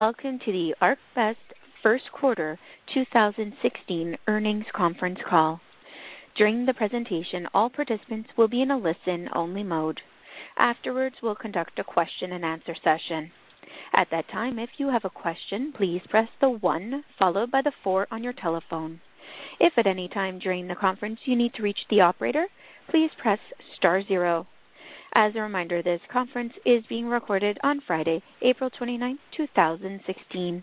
Welcome to the ArcBest first quarter 2016 earnings conference call. During the presentation, all participants will be in a listen-only mode. Afterwards, we'll conduct a question-and-answer session. At that time, if you have a question, please press the 1 followed by the 4 on your telephone. If at any time during the conference you need to reach the operator, please press star 0. As a reminder, this conference is being recorded on Friday, April 29, 2016.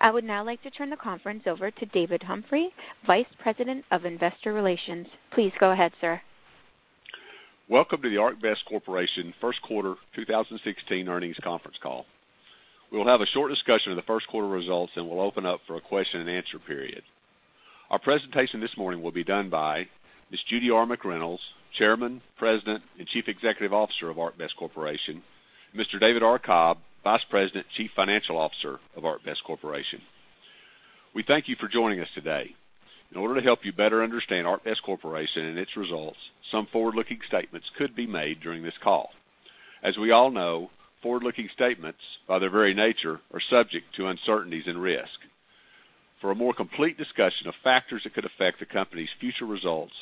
I would now like to turn the conference over to David Humphrey, Vice President of Investor Relations. Please go ahead, sir. Welcome to the ArcBest Corporation first quarter 2016 earnings conference call. We'll have a short discussion of the first quarter results, and we'll open up for a question-and-answer period. Our presentation this morning will be done by Ms. Judy R. McReynolds, Chairman, President, and Chief Executive Officer of ArcBest Corporation, and Mr. David R. Cobb, Vice President, Chief Financial Officer of ArcBest Corporation. We thank you for joining us today. In order to help you better understand ArcBest Corporation and its results, some forward-looking statements could be made during this call. As we all know, forward-looking statements, by their very nature, are subject to uncertainties and risk. For a more complete discussion of factors that could affect the company's future results,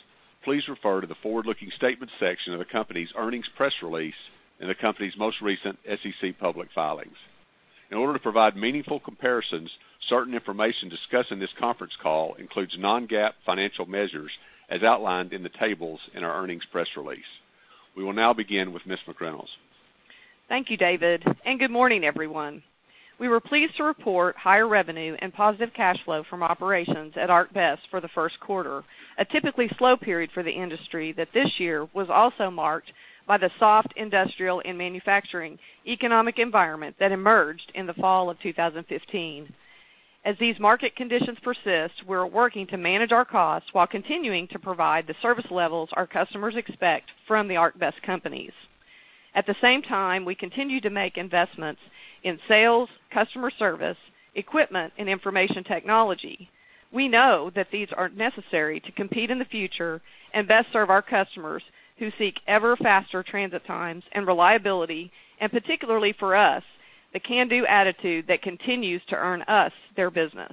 please refer to the forward-looking statements section of the company's earnings press release and the company's most recent SEC public filings. In order to provide meaningful comparisons, certain information discussed in this conference call includes non-GAAP financial measures as outlined in the tables in our earnings press release. We will now begin with Ms. McReynolds. Thank you, David, and good morning, everyone. We were pleased to report higher revenue and positive cash flow from operations at ArcBest for the first quarter, a typically slow period for the industry that this year was also marked by the soft industrial and manufacturing economic environment that emerged in the fall of 2015. As these market conditions persist, we're working to manage our costs while continuing to provide the service levels our customers expect from the ArcBest companies. At the same time, we continue to make investments in sales, customer service, equipment, and information technology. We know that these are necessary to compete in the future and best serve our customers who seek ever-faster transit times and reliability, and particularly for us, the can-do attitude that continues to earn us their business.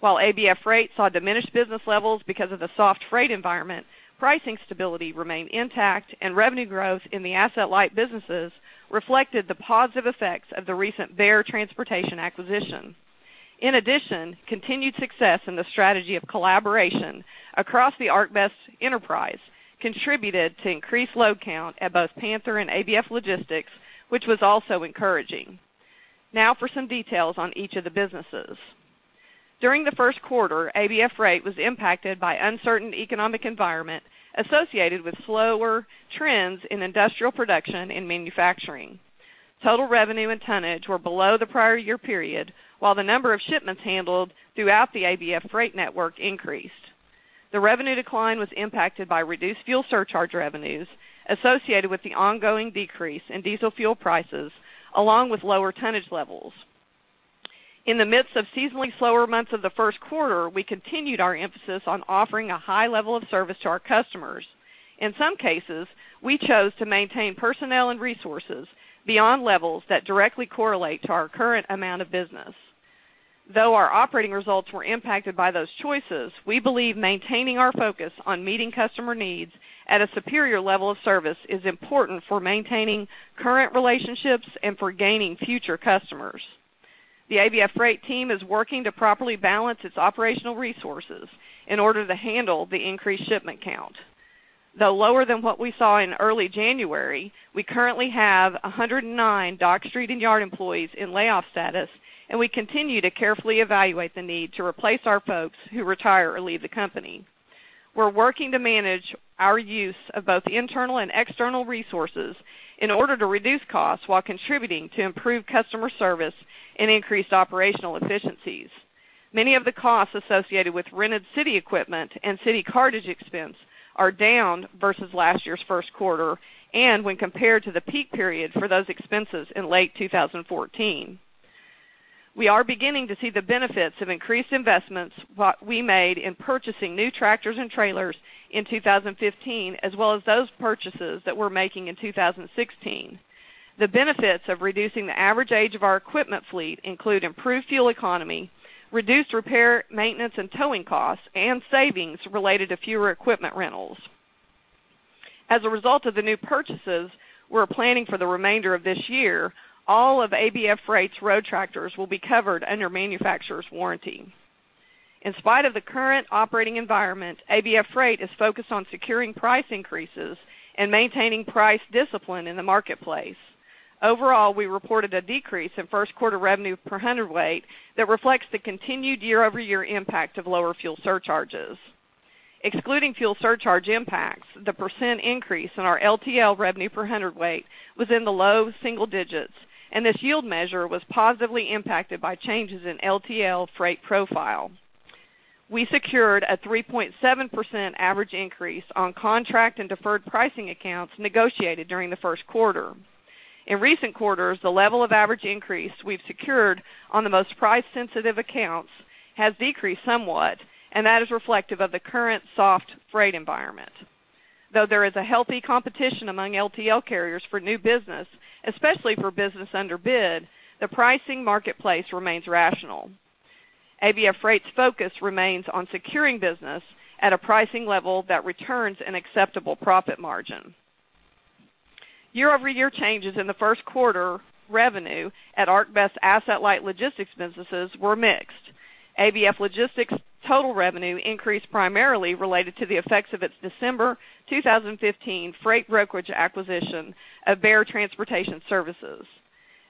While ABF Freight saw diminished business levels because of the soft freight environment, pricing stability remained intact, and revenue growth in the asset-light businesses reflected the positive effects of the recent Bear Transportation acquisition. In addition, continued success in the strategy of collaboration across the ArcBest enterprise contributed to increased load count at both Panther and ABF Logistics, which was also encouraging. Now for some details on each of the businesses. During the first quarter, ABF Freight was impacted by uncertain economic environment associated with slower trends in industrial production and manufacturing. Total revenue and tonnage were below the prior year period, while the number of shipments handled throughout the ABF Freight network increased. The revenue decline was impacted by reduced fuel surcharge revenues associated with the ongoing decrease in diesel fuel prices, along with lower tonnage levels. In the midst of seasonally slower months of the first quarter, we continued our emphasis on offering a high level of service to our customers. In some cases, we chose to maintain personnel and resources beyond levels that directly correlate to our current amount of business. Though our operating results were impacted by those choices, we believe maintaining our focus on meeting customer needs at a superior level of service is important for maintaining current relationships and for gaining future customers. The ABF Freight team is working to properly balance its operational resources in order to handle the increased shipment count. Though lower than what we saw in early January, we currently have 109 dock, street, and yard employees in layoff status, and we continue to carefully evaluate the need to replace our folks who retire or leave the company. We're working to manage our use of both internal and external resources in order to reduce costs while contributing to improved customer service and increased operational efficiencies. Many of the costs associated with rented city equipment and city cartage expense are down versus last year's first quarter and when compared to the peak period for those expenses in late 2014. We are beginning to see the benefits of increased investments we made in purchasing new tractors and trailers in 2015, as well as those purchases that we're making in 2016. The benefits of reducing the average age of our equipment fleet include improved fuel economy, reduced repair, maintenance, and towing costs, and savings related to fewer equipment rentals. As a result of the new purchases we're planning for the remainder of this year, all of ABF Freight's road tractors will be covered under manufacturer's warranty. In spite of the current operating environment, ABF Freight is focused on securing price increases and maintaining price discipline in the marketplace. Overall, we reported a decrease in first quarter revenue per hundredweight that reflects the continued year-over-year impact of lower fuel surcharges. Excluding fuel surcharge impacts, the % increase in our LTL revenue per hundredweight was in the low single digits, and this yield measure was positively impacted by changes in LTL freight profile. We secured a 3.7% average increase on contract and deferred pricing accounts negotiated during the first quarter. In recent quarters, the level of average increase we've secured on the most price-sensitive accounts has decreased somewhat, and that is reflective of the current soft freight environment. Though there is a healthy competition among LTL carriers for new business, especially for business under bid, the pricing marketplace remains rational. ABF Freight's focus remains on securing business at a pricing level that returns an acceptable profit margin. Year-over-year changes in the first quarter revenue at ArcBest asset-light logistics businesses were mixed. ABF Logistics' total revenue increased primarily related to the effects of its December 2015 freight brokerage acquisition of Bear Transportation Services.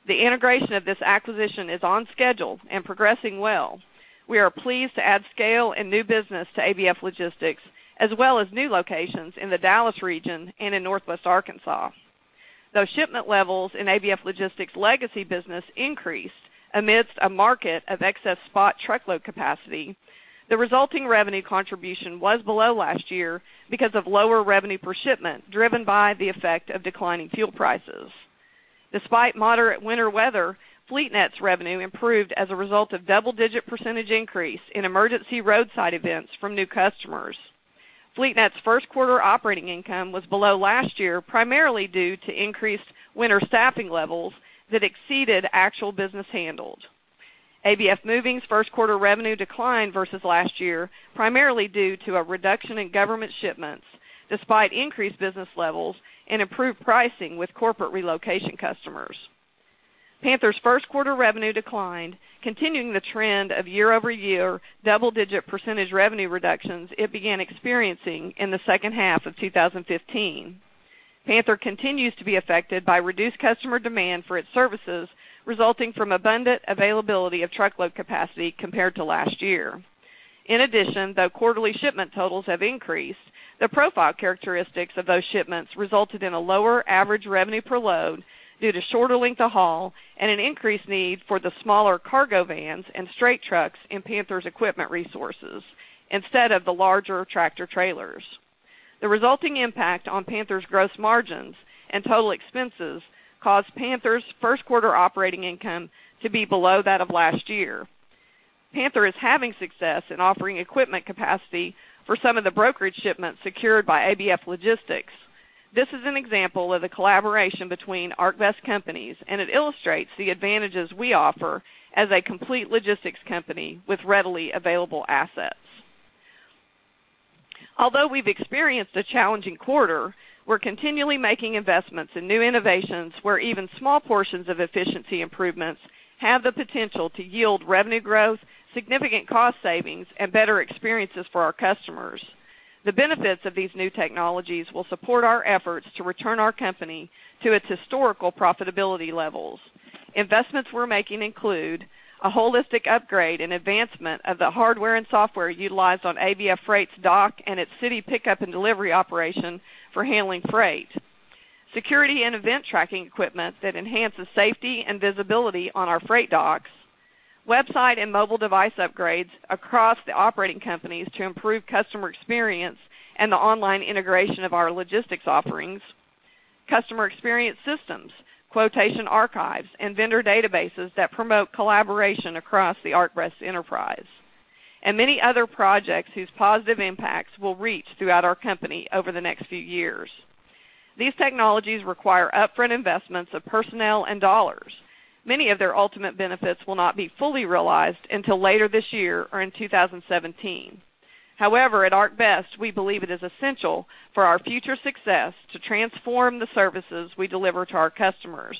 The integration of this acquisition is on schedule and progressing well. We are pleased to add scale and new business to ABF Logistics, as well as new locations in the Dallas region and in Northwest Arkansas. Though shipment levels in ABF Logistics' legacy business increased amidst a market of excess spot truckload capacity, the resulting revenue contribution was below last year because of lower revenue per shipment driven by the effect of declining fuel prices. Despite moderate winter weather, FleetNet's revenue improved as a result of double-digit percentage increase in emergency roadside events from new customers. FleetNet's first quarter operating income was below last year primarily due to increased winter staffing levels that exceeded actual business handled. ABF Moving's first quarter revenue declined versus last year primarily due to a reduction in government shipments despite increased business levels and improved pricing with corporate relocation customers. Panther's first quarter revenue declined, continuing the trend of year-over-year double-digit percentage revenue reductions it began experiencing in the second half of 2015. Panther continues to be affected by reduced customer demand for its services, resulting from abundant availability of truckload capacity compared to last year. In addition, though quarterly shipment totals have increased, the profile characteristics of those shipments resulted in a lower average revenue per load due to shorter length of haul and an increased need for the smaller cargo vans and straight trucks in Panther's equipment resources instead of the larger tractor trailers. The resulting impact on Panther's gross margins and total expenses caused Panther's first quarter operating income to be below that of last year. Panther is having success in offering equipment capacity for some of the brokerage shipments secured by ABF Logistics. This is an example of the collaboration between ArcBest companies, and it illustrates the advantages we offer as a complete logistics company with readily available assets. Although we've experienced a challenging quarter, we're continually making investments in new innovations where even small portions of efficiency improvements have the potential to yield revenue growth, significant cost savings, and better experiences for our customers. The benefits of these new technologies will support our efforts to return our company to its historical profitability levels. Investments we're making include a holistic upgrade and advancement of the hardware and software utilized on ABF Freight's dock and its city pickup and delivery operation for handling freight, security and event tracking equipment that enhances safety and visibility on our freight docks, website and mobile device upgrades across the operating companies to improve customer experience and the online integration of our logistics offerings, customer experience systems, quotation archives, and vendor databases that promote collaboration across the ArcBest enterprise, and many other projects whose positive impacts will reach throughout our company over the next few years. These technologies require upfront investments of personnel and dollars. Many of their ultimate benefits will not be fully realized until later this year or in 2017. However, at ArcBest, we believe it is essential for our future success to transform the services we deliver to our customers.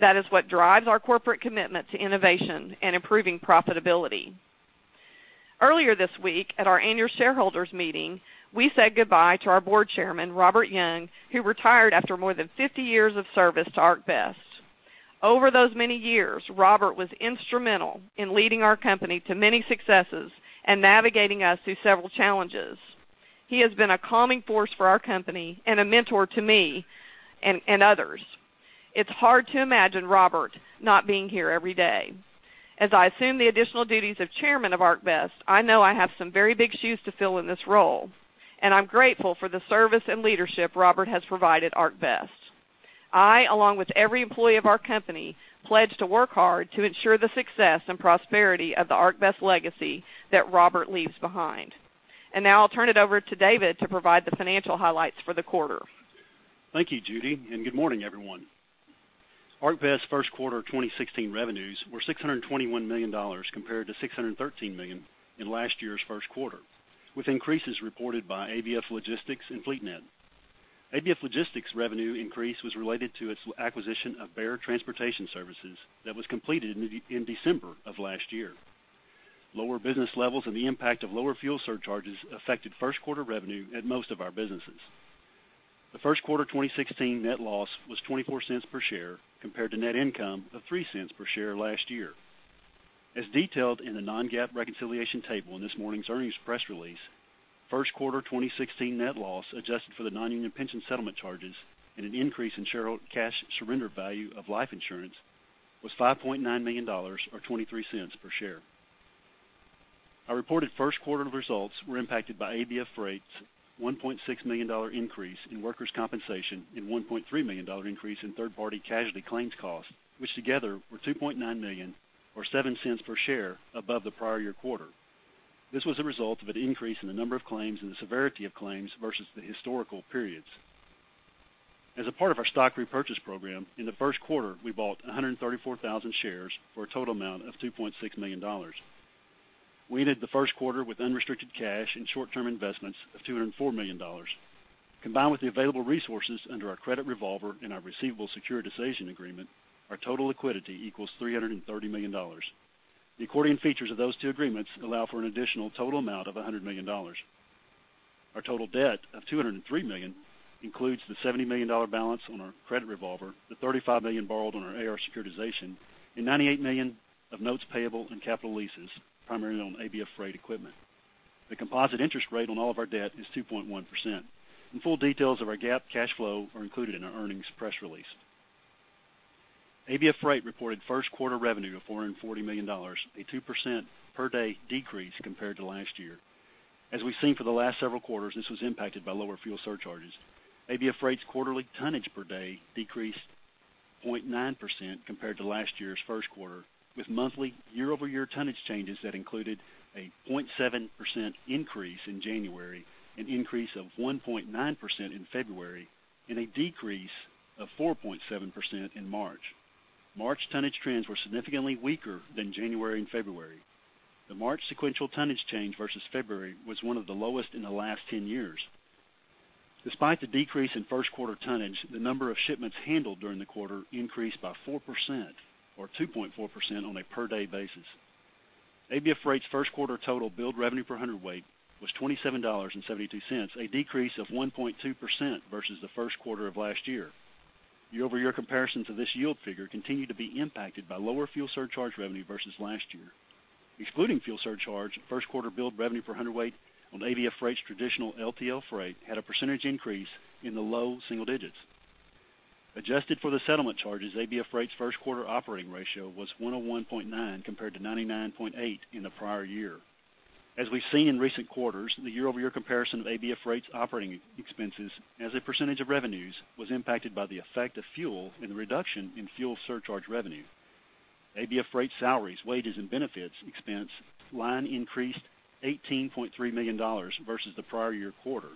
That is what drives our corporate commitment to innovation and improving profitability. Earlier this week, at our annual shareholders' meeting, we said goodbye to our board chairman, Robert Young, who retired after more than 50 years of service to ArcBest. Over those many years, Robert was instrumental in leading our company to many successes and navigating us through several challenges. He has been a calming force for our company and a mentor to me and others. It's hard to imagine Robert not being here every day. As I assume the additional duties of chairman of ArcBest, I know I have some very big shoes to fill in this role, and I'm grateful for the service and leadership Robert has provided ArcBest. I, along with every employee of our company, pledge to work hard to ensure the success and prosperity of the ArcBest legacy that Robert leaves behind. Now I'll turn it over to David to provide the financial highlights for the quarter. Thank you, Judy, and good morning, everyone. ArcBest first quarter 2016 revenues were $621 million compared to $613 million in last year's first quarter, with increases reported by ABF Logistics and FleetNet. ABF Logistics' revenue increase was related to its acquisition of Bear Transportation Services that was completed in December of last year. Lower business levels and the impact of lower fuel surcharges affected first quarter revenue at most of our businesses. The first quarter 2016 net loss was $0.24 per share compared to net income of $0.03 per share last year. As detailed in the non-GAAP reconciliation table in this morning's earnings press release, first quarter 2016 net loss adjusted for the non-union pension settlement charges and an increase in shareholder cash surrender value of life insurance was $5.9 million or $0.23 per share. Our reported first quarter results were impacted by ABF Freight's $1.6 million increase in workers' compensation and $1.3 million increase in third-party casualty claims costs, which together were $2.9 million or $0.07 per share above the prior year quarter. This was a result of an increase in the number of claims and the severity of claims versus the historical periods. As a part of our stock repurchase program, in the first quarter, we bought 134,000 shares for a total amount of $2.6 million. We ended the first quarter with unrestricted cash and short-term investments of $204 million. Combined with the available resources under our credit revolver and our receivables securitization agreement, our total liquidity equals $330 million. The accordion features of those two agreements allow for an additional total amount of $100 million. Our total debt of $203 million includes the $70 million balance on our credit revolver, the $35 million borrowed on our AR securitization, and $98 million of notes payable and capital leases, primarily on ABF Freight equipment. The composite interest rate on all of our debt is 2.1%. Full details of our GAAP cash flow are included in our earnings press release. ABF Freight reported first quarter revenue of $440 million, a 2% per day decrease compared to last year. As we've seen for the last several quarters, this was impacted by lower fuel surcharges. ABF Freight's quarterly tonnage per day decreased 0.9% compared to last year's first quarter, with monthly year-over-year tonnage changes that included a 0.7% increase in January, an increase of 1.9% in February, and a decrease of 4.7% in March. March tonnage trends were significantly weaker than January and February. The March sequential tonnage change versus February was one of the lowest in the last 10 years. Despite the decrease in first quarter tonnage, the number of shipments handled during the quarter increased by 4% or 2.4% on a per day basis. ABF Freight's first quarter total bill revenue per hundredweight was $27.72, a decrease of 1.2% versus the first quarter of last year. Year-over-year comparisons to this yield figure continue to be impacted by lower fuel surcharge revenue versus last year. Excluding fuel surcharge, first quarter bill revenue per hundredweight on ABF Freight's traditional LTL freight had a percentage increase in the low single digits. Adjusted for the settlement charges, ABF Freight's first quarter operating ratio was 101.9 compared to 99.8 in the prior year. As we've seen in recent quarters, the year-over-year comparison of ABF Freight's operating expenses as a percentage of revenues was impacted by the effect of fuel and the reduction in fuel surcharge revenue. ABF Freight's salaries, wages, and benefits expense line increased $18.3 million versus the prior year quarter,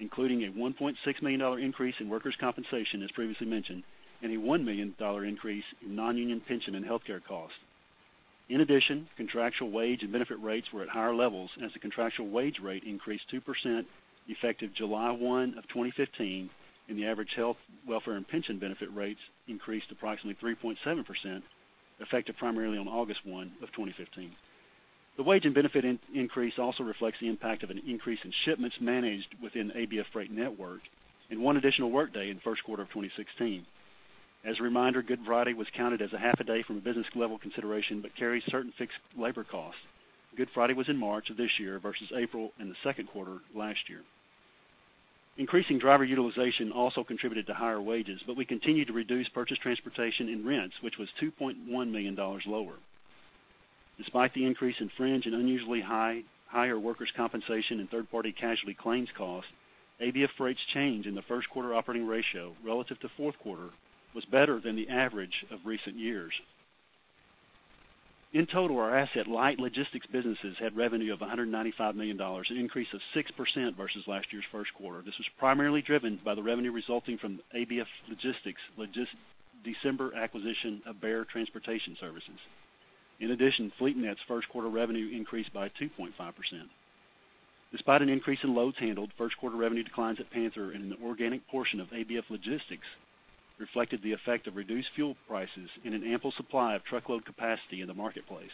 including a $1.6 million increase in workers' compensation, as previously mentioned, and a $1 million increase in non-union pension and healthcare costs. In addition, contractual wage and benefit rates were at higher levels as the contractual wage rate increased 2% effective July 1 of 2015, and the average health, welfare, and pension benefit rates increased approximately 3.7% effective primarily on August 1 of 2015. The wage and benefit increase also reflects the impact of an increase in shipments managed within the ABF Freight network and one additional workday in first quarter of 2016. As a reminder, Good Friday was counted as a half a day from a business-level consideration but carries certain fixed labor costs. Good Friday was in March of this year versus April in the second quarter last year. Increasing driver utilization also contributed to higher wages, but we continued to reduce purchased transportation and rents, which was $2.1 million lower. Despite the increase in fringe and unusually higher workers' compensation and third-party casualty claims costs, ABF Freight's change in the first quarter operating ratio relative to fourth quarter was better than the average of recent years. In total, our asset-light logistics businesses had revenue of $195 million, an increase of 6% versus last year's first quarter. This was primarily driven by the revenue resulting from ABF Logistics' December acquisition of Bear Transportation Services. In addition, FleetNet's first quarter revenue increased by 2.5%. Despite an increase in loads handled, first quarter revenue declines at Panther and in the organic portion of ABF Logistics reflected the effect of reduced fuel prices and an ample supply of truckload capacity in the marketplace.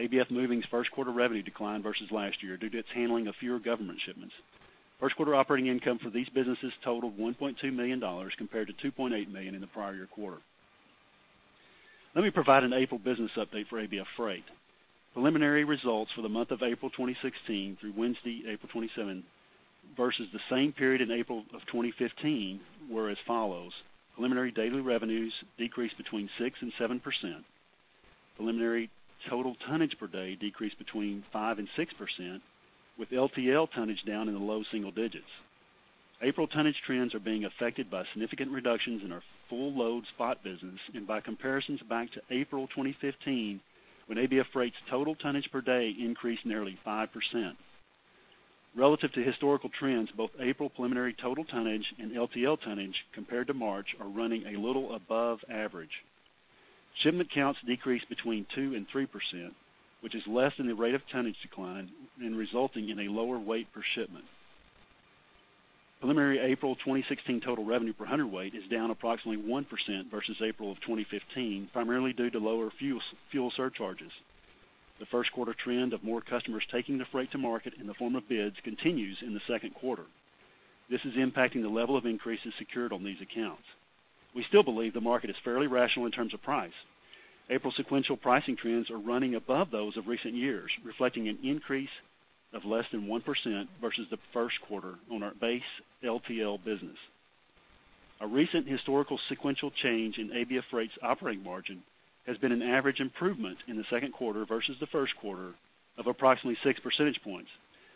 ABF Moving's first quarter revenue declined versus last year due to its handling of fewer government shipments. First quarter operating income for these businesses totaled $1.2 million compared to $2.8 million in the prior year quarter. Let me provide an April business update for ABF Freight. Preliminary results for the month of April 2016 through Wednesday, April 27, versus the same period in April of 2015 were as follows: preliminary daily revenues decreased between 6% and 7%, preliminary total tonnage per day decreased between 5% and 6%, with LTL tonnage down in the low single digits. April tonnage trends are being affected by significant reductions in our full-load spot business and by comparisons back to April 2015, when ABF Freight's total tonnage per day increased nearly 5%. Relative to historical trends, both April preliminary total tonnage and LTL tonnage compared to March are running a little above average. Shipment counts decreased between 2% and 3%, which is less than the rate of tonnage decline and resulting in a lower weight per shipment. Preliminary April 2016 total revenue per hundredweight is down approximately 1% versus April of 2015, primarily due to lower fuel surcharges. The first quarter trend of more customers taking the freight to market in the form of bids continues in the second quarter. This is impacting the level of increases secured on these accounts. We still believe the market is fairly rational in terms of price. April sequential pricing trends are running above those of recent years, reflecting an increase of less than 1% versus the first quarter on our base LTL business. A recent historical sequential change in ABF Freight's operating margin has been an average improvement in the second quarter versus the first quarter of approximately 6 percentage points,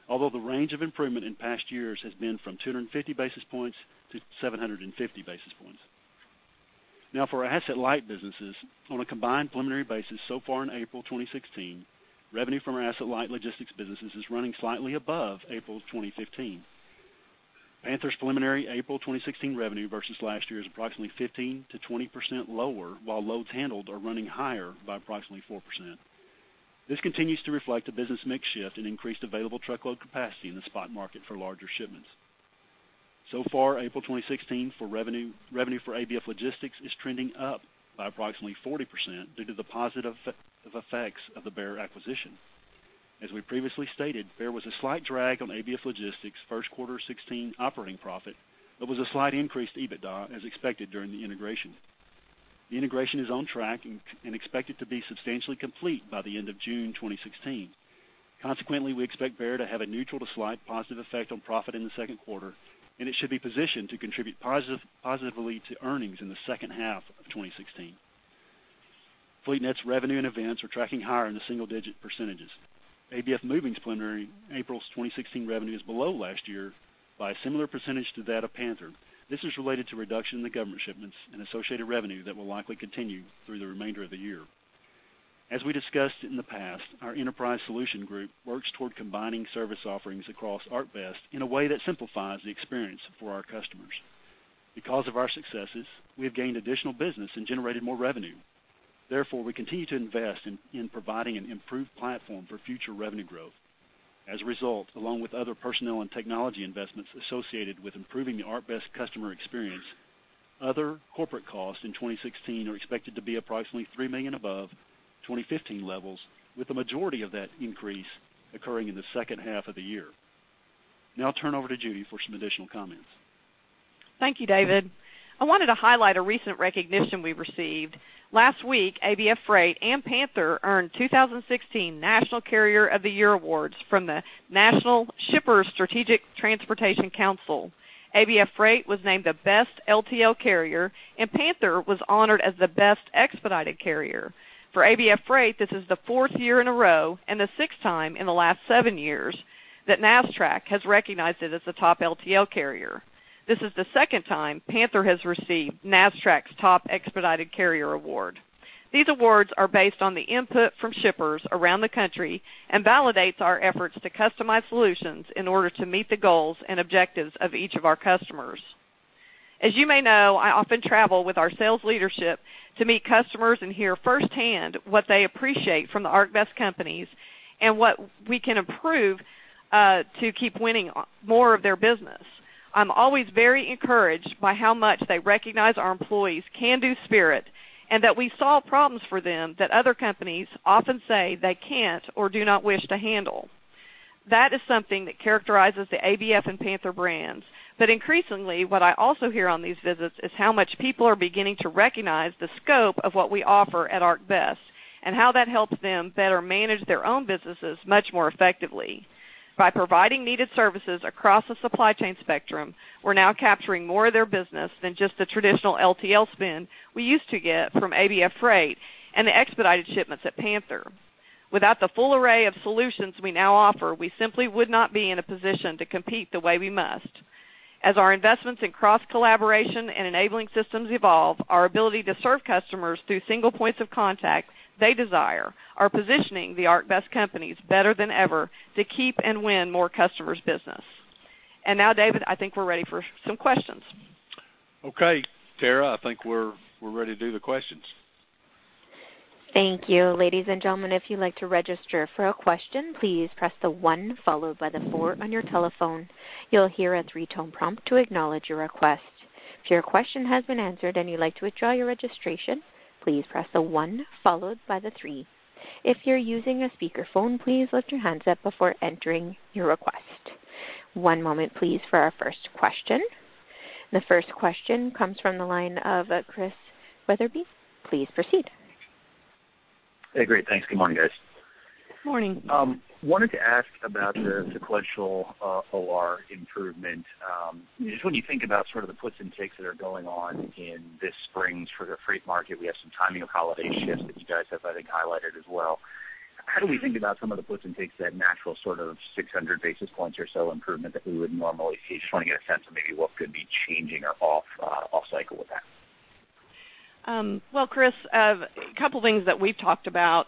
although the range of improvement in past years has been from 250-750 basis points. Now, for our asset-light businesses, on a combined preliminary basis so far in April 2016, revenue from our asset-light logistics businesses is running slightly above April 2015. Panther's preliminary April 2016 revenue versus last year is approximately 15%-20% lower, while loads handled are running higher by approximately 4%. This continues to reflect a business mix shift and increased available truckload capacity in the spot market for larger shipments. So far, April 2016 for revenue for ABF Logistics is trending up by approximately 40% due to the positive effects of the Bear acquisition. As we previously stated, Bear was a slight drag on ABF Logistics' first quarter 2016 operating profit, but was a slight increased EBITDA as expected during the integration. The integration is on track and expected to be substantially complete by the end of June 2016. Consequently, we expect Bear to have a neutral to slight positive effect on profit in the second quarter, and it should be positioned to contribute positively to earnings in the second half of 2016. FleetNet's revenue and events are tracking higher in the single-digit percentages. ABF Moving's preliminary April 2016 revenue is below last year by a similar percentage to that of Panther. This is related to reduction in the government shipments and associated revenue that will likely continue through the remainder of the year. As we discussed in the past, our Enterprise Solutions group works toward combining service offerings across ArcBest in a way that simplifies the experience for our customers. Because of our successes, we have gained additional business and generated more revenue. Therefore, we continue to invest in providing an improved platform for future revenue growth. As a result, along with other personnel and technology investments associated with improving the ArcBest customer experience, other corporate costs in 2016 are expected to be approximately $3 million above 2015 levels, with the majority of that increase occurring in the second half of the year. Now I'll turn over to Judy for some additional comments. Thank you, David. I wanted to highlight a recent recognition we received. Last week, ABF Freight and Panther earned 2016 National Carrier of the Year awards from the National Shippers Strategic Transportation Council. ABF Freight was named the best LTL carrier, and Panther was honored as the best expedited carrier. For ABF Freight, this is the fourth year in a row and the sixth time in the last seven years that NASSTRAC has recognized it as the top LTL carrier. This is the second time Panther has received NASSTRAC's top expedited carrier award. These awards are based on the input from shippers around the country and validate our efforts to customize solutions in order to meet the goals and objectives of each of our customers. As you may know, I often travel with our sales leadership to meet customers and hear firsthand what they appreciate from the ArcBest companies and what we can improve to keep winning more of their business. I'm always very encouraged by how much they recognize our employees' can-do spirit and that we solve problems for them that other companies often say they can't or do not wish to handle. That is something that characterizes the ABF and Panther brands. But increasingly, what I also hear on these visits is how much people are beginning to recognize the scope of what we offer at ArcBest and how that helps them better manage their own businesses much more effectively. By providing needed services across the supply chain spectrum, we're now capturing more of their business than just the traditional LTL spend we used to get from ABF Freight and the expedited shipments at Panther. Without the full array of solutions we now offer, we simply would not be in a position to compete the way we must. As our investments in cross-collaboration and enabling systems evolve, our ability to serve customers through single points of contact they desire are positioning the ArcBest companies better than ever to keep and win more customers' business. Now, David, I think we're ready for some questions. Okay, Tara. I think we're ready to do the questions. Thank you. Ladies and gentlemen, if you'd like to register for a question, please press the 1 followed by the 4 on your telephone. You'll hear a three-tone prompt to acknowledge your request. If your question has been answered and you'd like to withdraw your registration, please press the 1 followed by the 3. If you're using a speakerphone, please lift your hands up before entering your request. One moment, please, for our first question. The first question comes from the line of Chris Wetherbee. Please proceed. Hey, great. Thanks. Good morning, guys. Good morning. Wanted to ask about the sequential OR improvement. Just when you think about sort of the puts and takes that are going on in this spring for the freight market, we have some timing of holiday shifts that you guys have, I think, highlighted as well. How do we think about some of the puts and takes, that natural sort of 600 basis points or so improvement that we would normally see? Just want to get a sense of maybe what could be changing or off-cycle with that. Well, Chris, a couple of things that we've talked about,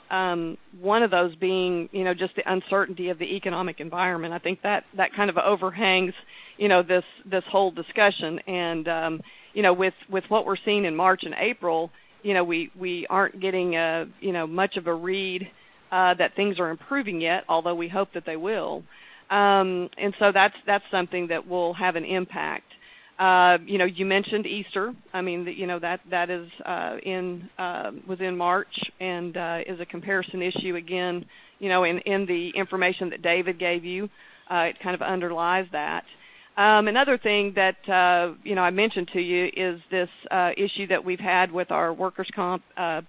one of those being just the uncertainty of the economic environment. I think that kind of overhangs this whole discussion. And with what we're seeing in March and April, we aren't getting much of a read that things are improving yet, although we hope that they will. And so that's something that will have an impact. You mentioned Easter. I mean, that was in March and is a comparison issue. Again, in the information that David gave you, it kind of underlies that. Another thing that I mentioned to you is this issue that we've had with our workers' comp,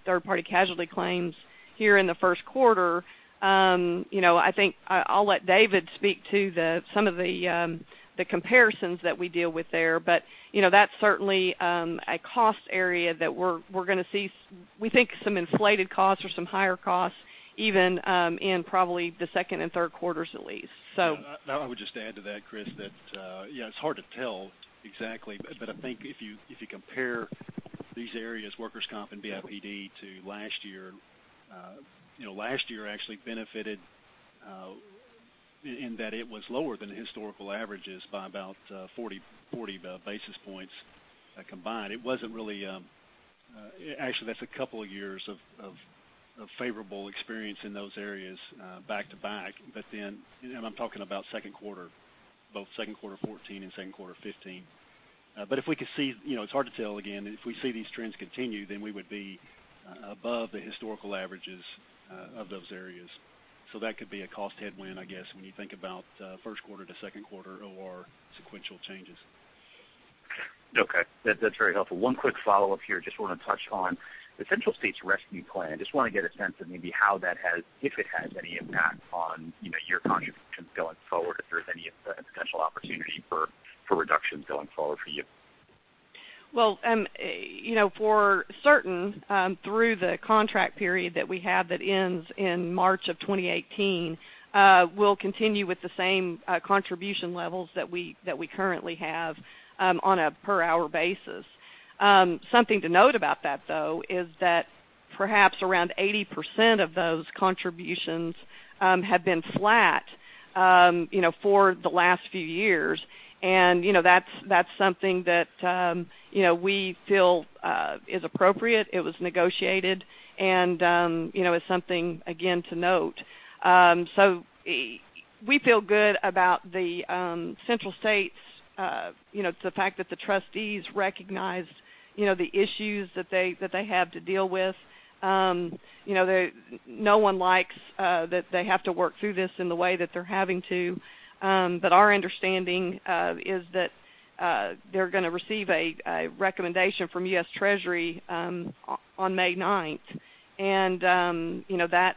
third-party casualty claims here in the first quarter. I think I'll let David speak to some of the comparisons that we deal with there. But that's certainly a cost area that we're going to see, we think, some inflated costs or some higher costs even in probably the second and third quarters at least. Now, I would just add to that, Chris, that it's hard to tell exactly. But I think if you compare these areas, workers' comp and BIPD, to last year, last year actually benefited in that it was lower than historical averages by about 40 basis points combined. It wasn't really actually, that's a couple of years of favorable experience in those areas back to back. And I'm talking about second quarter, both second quarter 2014 and second quarter 2015. But if we could see it's hard to tell. Again, if we see these trends continue, then we would be above the historical averages of those areas. So that could be a cost headwind, I guess, when you think about first quarter to second quarter OR sequential changes. Okay. That's very helpful. One quick follow-up here. Just want to touch on the Central States Rescue Plan. Just want to get a sense of maybe how that has, if it has any impact on your contributions going forward, if there's any potential opportunity for reductions going forward for you. Well, for certain, through the contract period that we have that ends in March of 2018, we'll continue with the same contribution levels that we currently have on a per-hour basis. Something to note about that, though, is that perhaps around 80% of those contributions have been flat for the last few years. And that's something that we feel is appropriate. It was negotiated. And it's something, again, to note. So we feel good about the Central States, the fact that the trustees recognized the issues that they have to deal with. No one likes that they have to work through this in the way that they're having to. But our understanding is that they're going to receive a recommendation from U.S. Treasury on May 9th. And that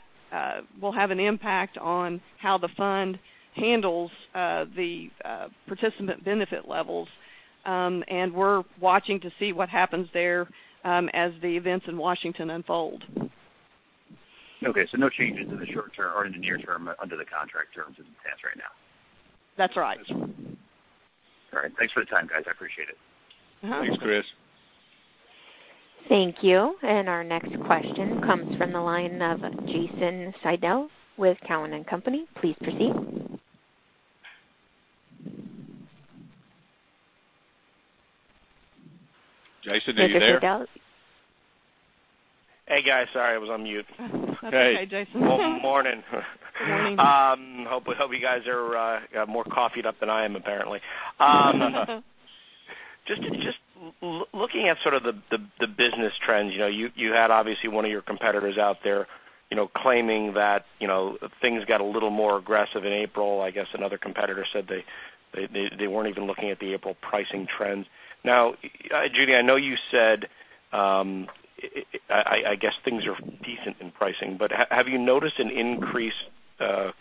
will have an impact on how the fund handles the participant benefit levels. We're watching to see what happens there as the events in Washington unfold. Okay. So no changes in the short term or in the near term under the contract terms as it stands right now? That's right. All right. Thanks for the time, guys. I appreciate it. Thanks, Chris. Thank you. And our next question comes from the line of Jason Seidl with Cowen and Company. Please proceed. Jason, are you there? Jason Seidl. Hey, guys. Sorry. I was on mute. Okay. Hey, Jason. Well, good morning. Good morning. Hope you guys are more coffeeed up than I am, apparently. Just looking at sort of the business trends, you had obviously one of your competitors out there claiming that things got a little more aggressive in April. I guess another competitor said they weren't even looking at the April pricing trends. Now, Judy, I know you said, "I guess things are decent in pricing." But have you noticed an increased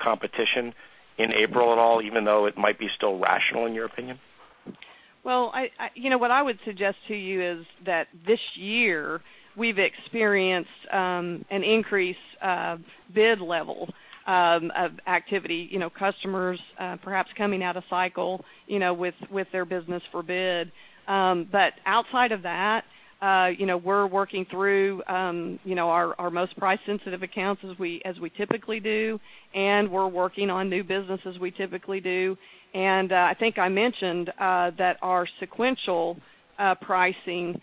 competition in April at all, even though it might be still rational in your opinion? Well, what I would suggest to you is that this year, we've experienced an increase of bid level of activity, customers perhaps coming out of cycle with their business for bid. But outside of that, we're working through our most price-sensitive accounts as we typically do, and we're working on new business as we typically do. I think I mentioned that our sequential pricing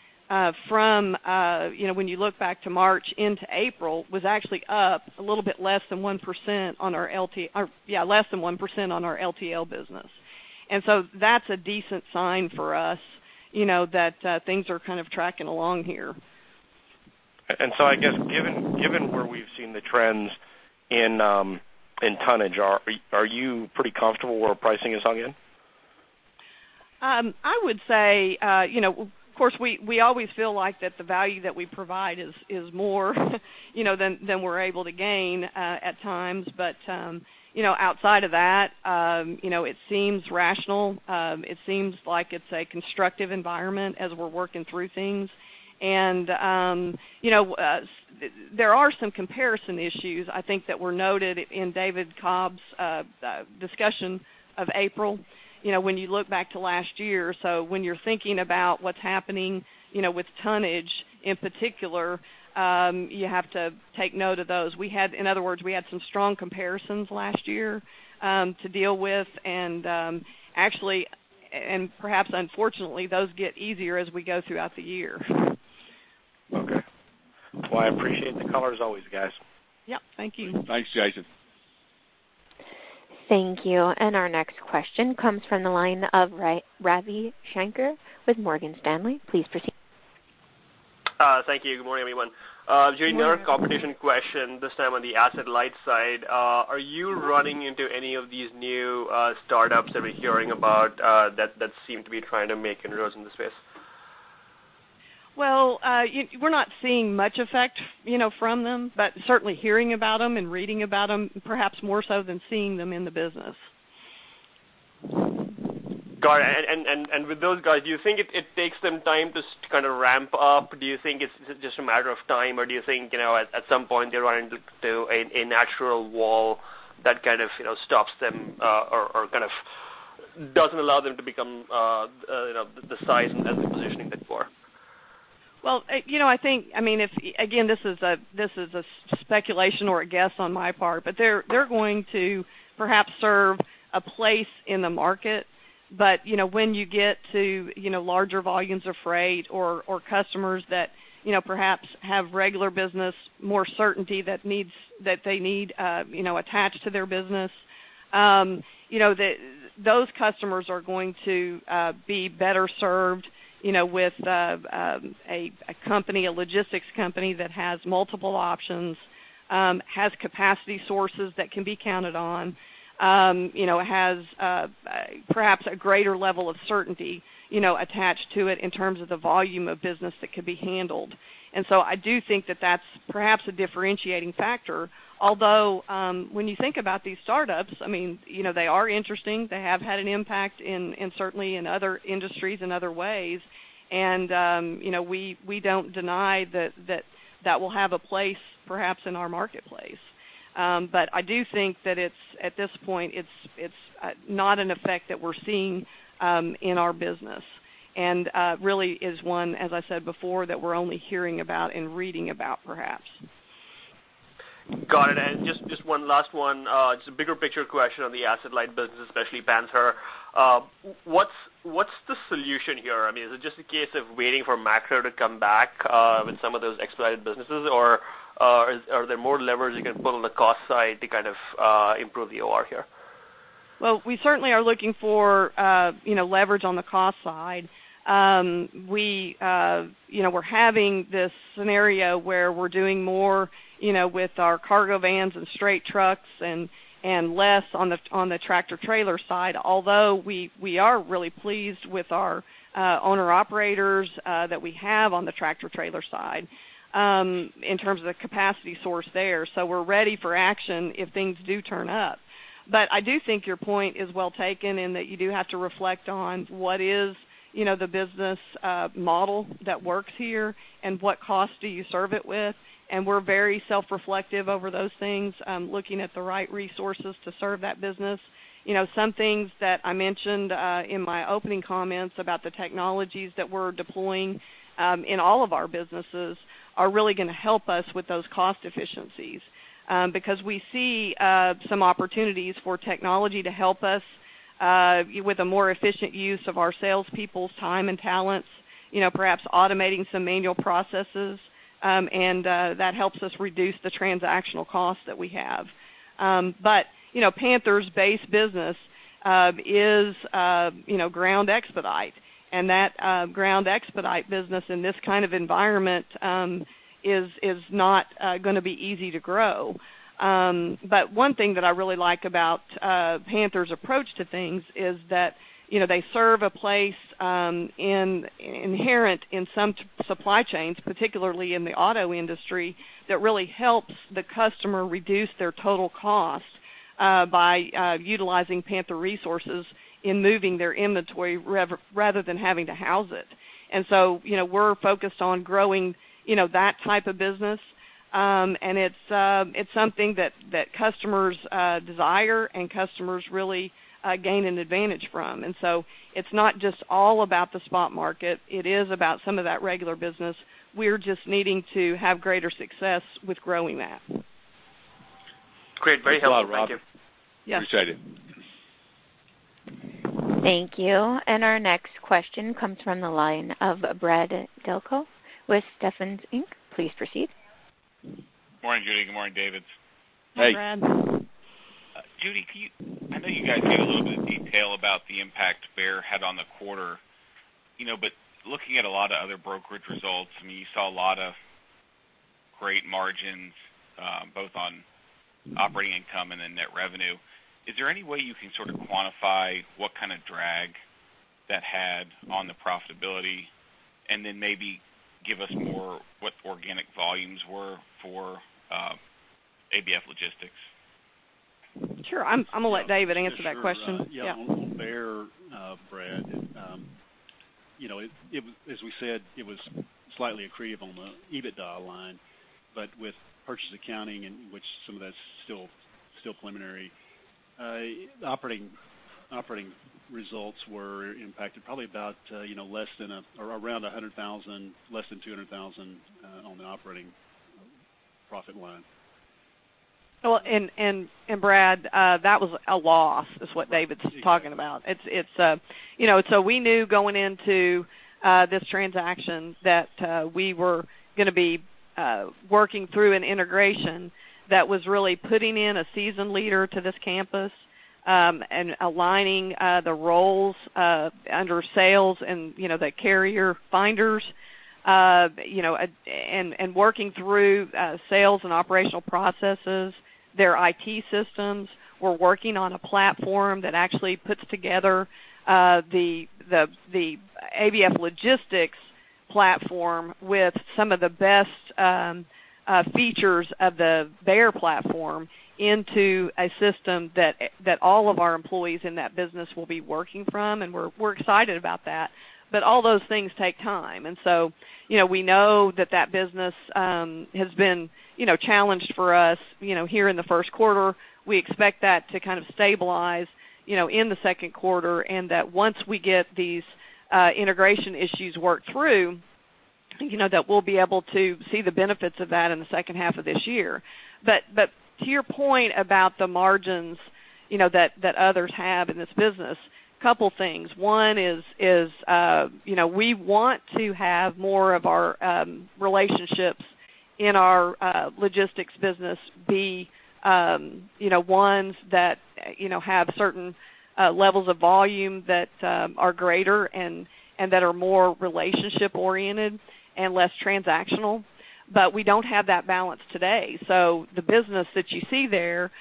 from when you look back to March into April was actually up a little bit less than 1% on our less than 1% on our LTL business. So that's a decent sign for us that things are kind of tracking along here. I guess given where we've seen the trends in tonnage, are you pretty comfortable where pricing is hung in? I would say, of course, we always feel like that the value that we provide is more than we're able to gain at times. But outside of that, it seems rational. It seems like it's a constructive environment as we're working through things. And there are some comparison issues, I think, that were noted in David Cobb's discussion of April. When you look back to last year, so when you're thinking about what's happening with tonnage in particular, you have to take note of those. In other words, we had some strong comparisons last year to deal with. And perhaps, unfortunately, those get easier as we go throughout the year. Okay. Well, I appreciate the colors always, guys. Yep. Thank you. Thanks, Jason. Thank you. Our next question comes from the line of Ravi Shankar with Morgan Stanley. Please proceed. Thank you. Good morning, everyone. Judy McReynolds, competition question this time on the asset-light side. Are you running into any of these new startups that we're hearing about that seem to be trying to make inroads in this space? Well, we're not seeing much effect from them, but certainly hearing about them and reading about them perhaps more so than seeing them in the business. Got it. And with those guys, do you think it takes them time to kind of ramp up? Do you think it's just a matter of time, or do you think at some point they run into a natural wall that kind of stops them or kind of doesn't allow them to become the size and positioning that for? Well, I think I mean, again, this is a speculation or a guess on my part, but they're going to perhaps serve a place in the market. But when you get to larger volumes of freight or customers that perhaps have regular business, more certainty that they need attached to their business, those customers are going to be better served with a company, a logistics company that has multiple options, has capacity sources that can be counted on, has perhaps a greater level of certainty attached to it in terms of the volume of business that could be handled. And so I do think that that's perhaps a differentiating factor. Although when you think about these startups, I mean, they are interesting. They have had an impact, certainly, in other industries, in other ways. And we don't deny that that will have a place perhaps in our marketplace. But I do think that at this point, it's not an effect that we're seeing in our business and really is one, as I said before, that we're only hearing about and reading about perhaps. Got it. Just one last one. It's a bigger picture question on the asset light business, especially Panther. What's the solution here? I mean, is it just a case of waiting for macro to come back with some of those exploited businesses, or are there more levers you can pull on the cost side to kind of improve the OR here? Well, we certainly are looking for leverage on the cost side. We're having this scenario where we're doing more with our cargo vans and straight trucks and less on the tractor-trailer side, although we are really pleased with our owner-operators that we have on the tractor-trailer side in terms of the capacity source there. So we're ready for action if things do turn up. But I do think your point is well taken in that you do have to reflect on what is the business model that works here and what cost do you serve it with. We're very self-reflective over those things, looking at the right resources to serve that business. Some things that I mentioned in my opening comments about the technologies that we're deploying in all of our businesses are really going to help us with those cost efficiencies because we see some opportunities for technology to help us with a more efficient use of our salespeople's time and talents, perhaps automating some manual processes. That helps us reduce the transactional cost that we have. But Panther's base business is ground expedite. And that ground expedite business in this kind of environment is not going to be easy to grow. But one thing that I really like about Panther's approach to things is that they serve a place inherent in some supply chains, particularly in the auto industry, that really helps the customer reduce their total cost by utilizing Panther resources in moving their inventory rather than having to house it. And so we're focused on growing that type of business. And it's something that customers desire and customers really gain an advantage from. And so it's not just all about the spot market. It is about some of that regular business. We're just needing to have greater success with growing that. Great. Very helpful. Thank you. Hello, Rob. Yes. Appreciate it. Thank you. And our next question comes from the line of Brad Delco with Stephens Inc. Please proceed. Morning, Judy. Good morning, Davids. Hey. Hi, Brad. Judy, I know you guys gave a little bit of detail about the impact Bear had on the quarter. But looking at a lot of other brokerage results, I mean, you saw a lot of great margins both on operating income and then net revenue. Is there any way you can sort of quantify what kind of drag that had on the profitability and then maybe give us more what organic volumes were for ABF Logistics? Sure. I'm going to let David answer that question. Yeah. On Bear, Brad, as we said, it was slightly accretive on the EBITDA line. But with purchase accounting, which some of that's still preliminary, the operating results were impacted probably about less than around $100,000, less than $200,000 on the operating profit line. Well, and Brad, that was a loss, is what David's talking about. So we knew going into this transaction that we were going to be working through an integration that was really putting in a seasoned leader to this campus and aligning the roles under sales and the carrier finders and working through sales and operational processes, their IT systems. We're working on a platform that actually puts together the ABF Logistics platform with some of the best features of the Bear platform into a system that all of our employees in that business will be working from. We're excited about that. But all those things take time. So we know that that business has been challenged for us here in the first quarter. We expect that to kind of stabilize in the second quarter and that once we get these integration issues worked through, that we'll be able to see the benefits of that in the second half of this year. But to your point about the margins that others have in this business, a couple of things. One is we want to have more of our relationships in our logistics business be ones that have certain levels of volume that are greater and that are more relationship-oriented and less transactional. But we don't have that balance today. So the business that you see there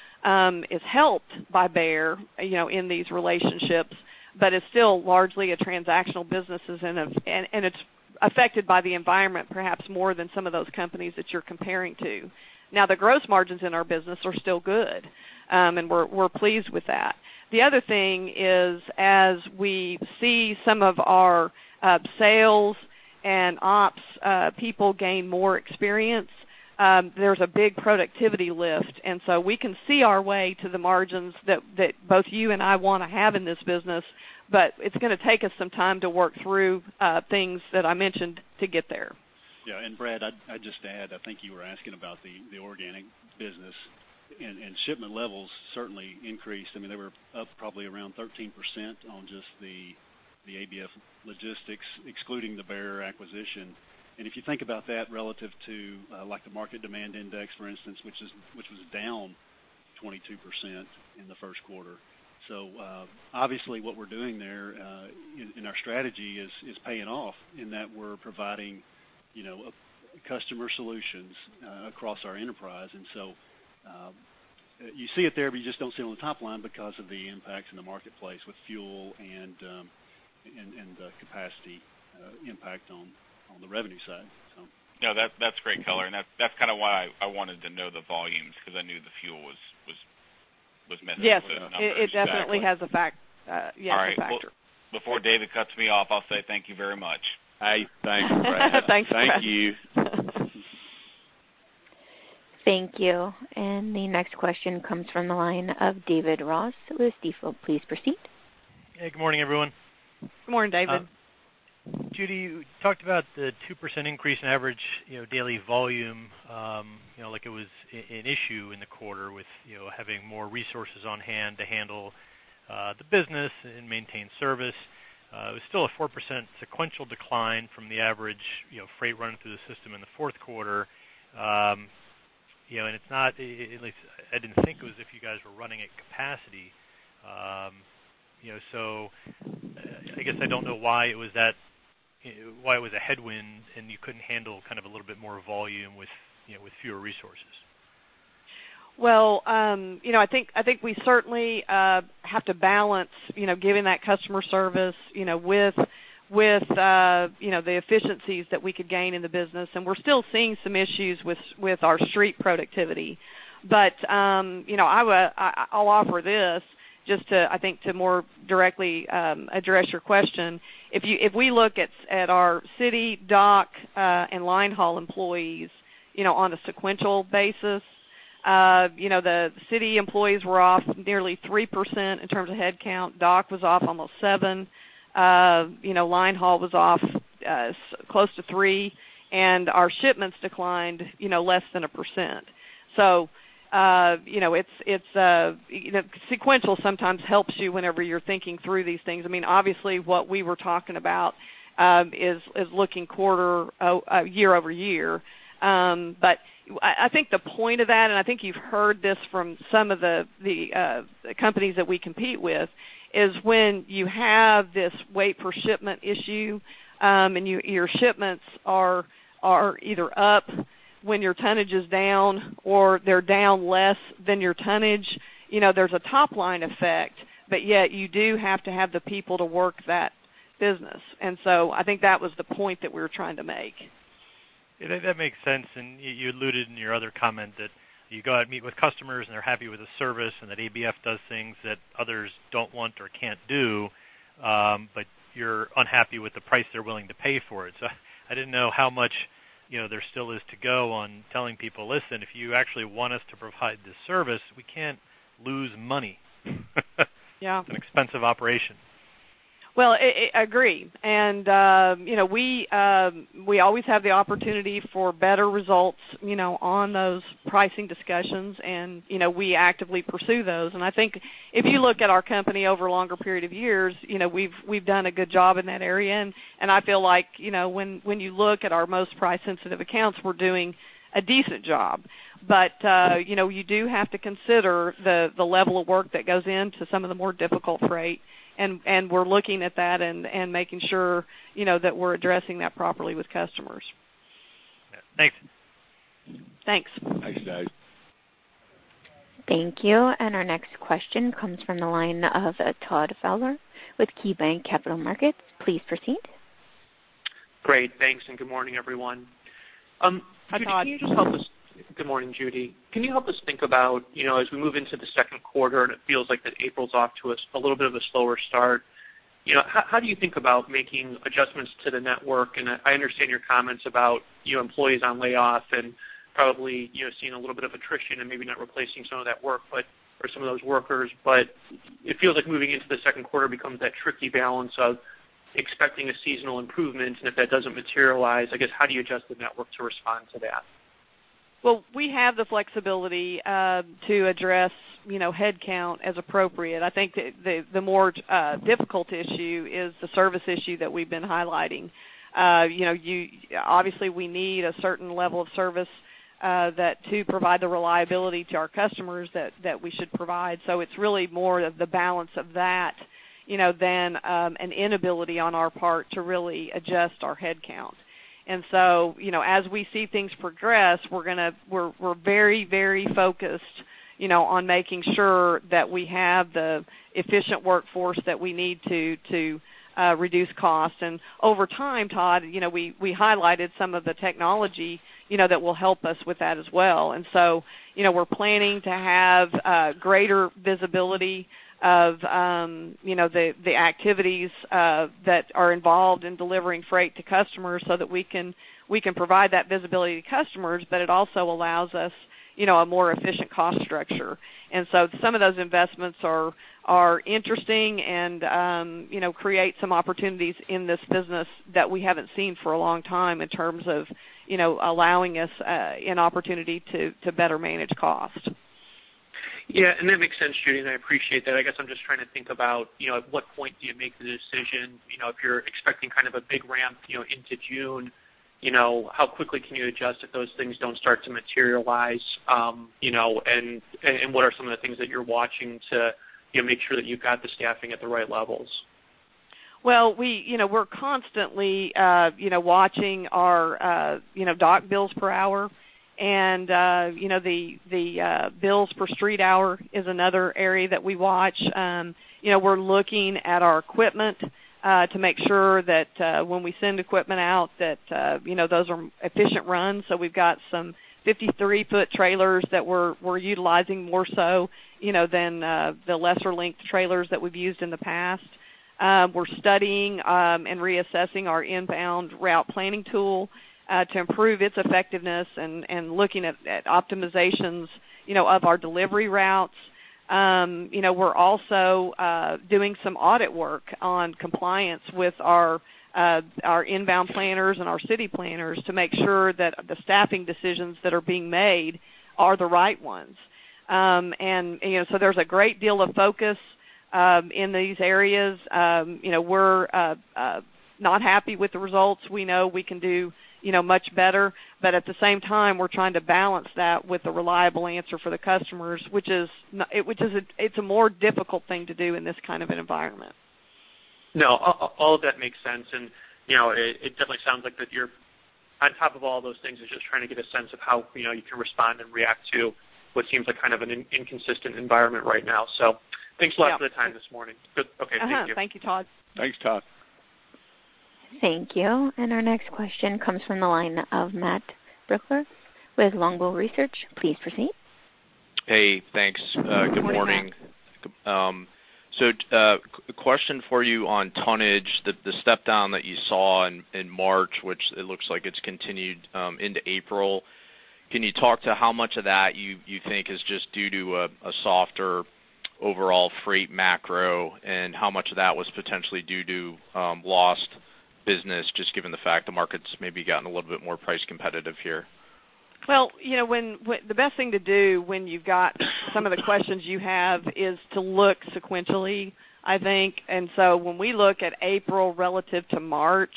is helped by Bear in these relationships, but it's still largely a transactional business. And it's affected by the environment perhaps more than some of those companies that you're comparing to. Now, the gross margins in our business are still good. And we're pleased with that. The other thing is as we see some of our sales and ops people gain more experience, there's a big productivity lift. And so we can see our way to the margins that both you and I want to have in this business, but it's going to take us some time to work through things that I mentioned to get there. Yeah. Brad, I'd just add. I think you were asking about the organic business. Shipment levels certainly increased. I mean, they were up probably around 13% on just the ABF Logistics, excluding the Bear acquisition. If you think about that relative to the Market Demand Index, for instance, which was down 22% in the first quarter. Obviously, what we're doing there in our strategy is paying off in that we're providing customer solutions across our enterprise. You see it there, but you just don't see it on the top line because of the impacts in the marketplace with fuel and the capacity impact on the revenue side. No, that's great color. That's kind of why I wanted to know the volumes because I knew the fuel was messing with the numbers. Yeah. It definitely has a factor. All right. Before David cuts me off, I'll say thank you very much. Hey. Thanks, Brad. Thanks, Brad. Thank you. Thank you. The next question comes from the line of David Ross with Stifel. Please proceed. Hey. Good morning, everyone. Good morning, David. Judy, you talked about the 2% increase in average daily volume like it was an issue in the quarter with having more resources on hand to handle the business and maintain service. It was still a 4% sequential decline from the average freight running through the system in the fourth quarter. It's not at least, I didn't think it was if you guys were running at capacity. I guess I don't know why it was that why it was a headwind and you couldn't handle kind of a little bit more volume with fewer resources. Well, I think we certainly have to balance giving that customer service with the efficiencies that we could gain in the business. And we're still seeing some issues with our street productivity. But I'll offer this just to, I think, more directly address your question. If we look at our city, dock, and line haul employees on a sequential basis, the city employees were off nearly 3% in terms of headcount. Dock was off almost 7%. Line haul was off close to 3%. And our shipments declined less than 1%. So it's sequential sometimes helps you whenever you're thinking through these things. I mean, obviously, what we were talking about is looking quarter-over-year. But I think the point of that and I think you've heard this from some of the companies that we compete with is when you have this weight-per-shipment issue and your shipments are either up when your tonnage is down or they're down less than your tonnage, there's a top-line effect. But yet, you do have to have the people to work that business. And so I think that was the point that we were trying to make. Yeah. That makes sense. And you alluded in your other comment that you go out and meet with customers, and they're happy with the service, and that ABF does things that others don't want or can't do, but you're unhappy with the price they're willing to pay for it. So I didn't know how much there still is to go on telling people, "Listen, if you actually want us to provide this service, we can't lose money. It's an expensive operation. Well, I agree. We always have the opportunity for better results on those pricing discussions. We actively pursue those. I think if you look at our company over a longer period of years, we've done a good job in that area. I feel like when you look at our most price-sensitive accounts, we're doing a decent job. You do have to consider the level of work that goes into some of the more difficult freight. We're looking at that and making sure that we're addressing that properly with customers. Yeah. Thanks. Thanks. Thanks, guys. Thank you. And our next question comes from the line of Todd Fowler with KeyBanc Capital Markets. Please proceed. Great. Thanks. And good morning, everyone. Todd, can you just help us good morning, Judy. Can you help us think about as we move into the second quarter, and it feels like that April's off to us, a little bit of a slower start, how do you think about making adjustments to the network? And I understand your comments about employees on layoff and probably seeing a little bit of attrition and maybe not replacing some of that work or some of those workers. But it feels like moving into the second quarter becomes that tricky balance of expecting a seasonal improvement. And if that doesn't materialize, I guess, how do you adjust the network to respond to that? Well, we have the flexibility to address headcount as appropriate. I think the more difficult issue is the service issue that we've been highlighting. Obviously, we need a certain level of service to provide the reliability to our customers that we should provide. So it's really more of the balance of that than an inability on our part to really adjust our headcount. And so as we see things progress, we're very, very focused on making sure that we have the efficient workforce that we need to reduce costs. And over time, Todd, we highlighted some of the technology that will help us with that as well. And so we're planning to have greater visibility of the activities that are involved in delivering freight to customers so that we can provide that visibility to customers. But it also allows us a more efficient cost structure. Some of those investments are interesting and create some opportunities in this business that we haven't seen for a long time in terms of allowing us an opportunity to better manage cost. Yeah. That makes sense, Judy. I appreciate that. I guess I'm just trying to think about at what point do you make the decision? If you're expecting kind of a big ramp into June, how quickly can you adjust if those things don't start to materialize? What are some of the things that you're watching to make sure that you've got the staffing at the right levels? Well, we're constantly watching our dock bills per hour. The bills per street hour is another area that we watch. We're looking at our equipment to make sure that when we send equipment out, that those are efficient runs. We've got some 53-foot trailers that we're utilizing more so than the lesser-length trailers that we've used in the past. We're studying and reassessing our inbound route planning tool to improve its effectiveness and looking at optimizations of our delivery routes. We're also doing some audit work on compliance with our inbound planners and our city planners to make sure that the staffing decisions that are being made are the right ones. So there's a great deal of focus in these areas. We're not happy with the results. We know we can do much better. But at the same time, we're trying to balance that with a reliable answer for the customers, which is it's a more difficult thing to do in this kind of an environment. No. All of that makes sense. And it definitely sounds like that you're, on top of all those things, just trying to get a sense of how you can respond and react to what seems like kind of an inconsistent environment right now. So thanks a lot for the time this morning. Okay. Thank you. Thank you, Todd. Thanks, Todd. Thank you. Our next question comes from the line of Matt Brooklier with Longbow Research. Please proceed. Hey. Thanks. Good morning. So a question for you on tonnage, the stepdown that you saw in March, which it looks like it's continued into April. Can you talk to how much of that you think is just due to a softer overall freight macro and how much of that was potentially due to lost business, just given the fact the market's maybe gotten a little bit more price-competitive here? Well, the best thing to do when you've got some of the questions you have is to look sequentially, I think. And so when we look at April relative to March,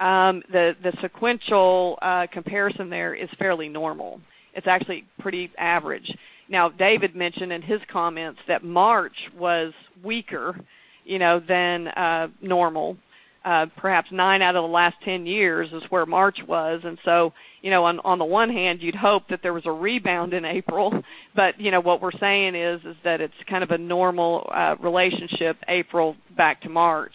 the sequential comparison there is fairly normal. It's actually pretty average. Now, David mentioned in his comments that March was weaker than normal. Perhaps nine out of the last 10 years is where March was. And so on the one hand, you'd hope that there was a rebound in April. But what we're saying is that it's kind of a normal relationship, April back to March.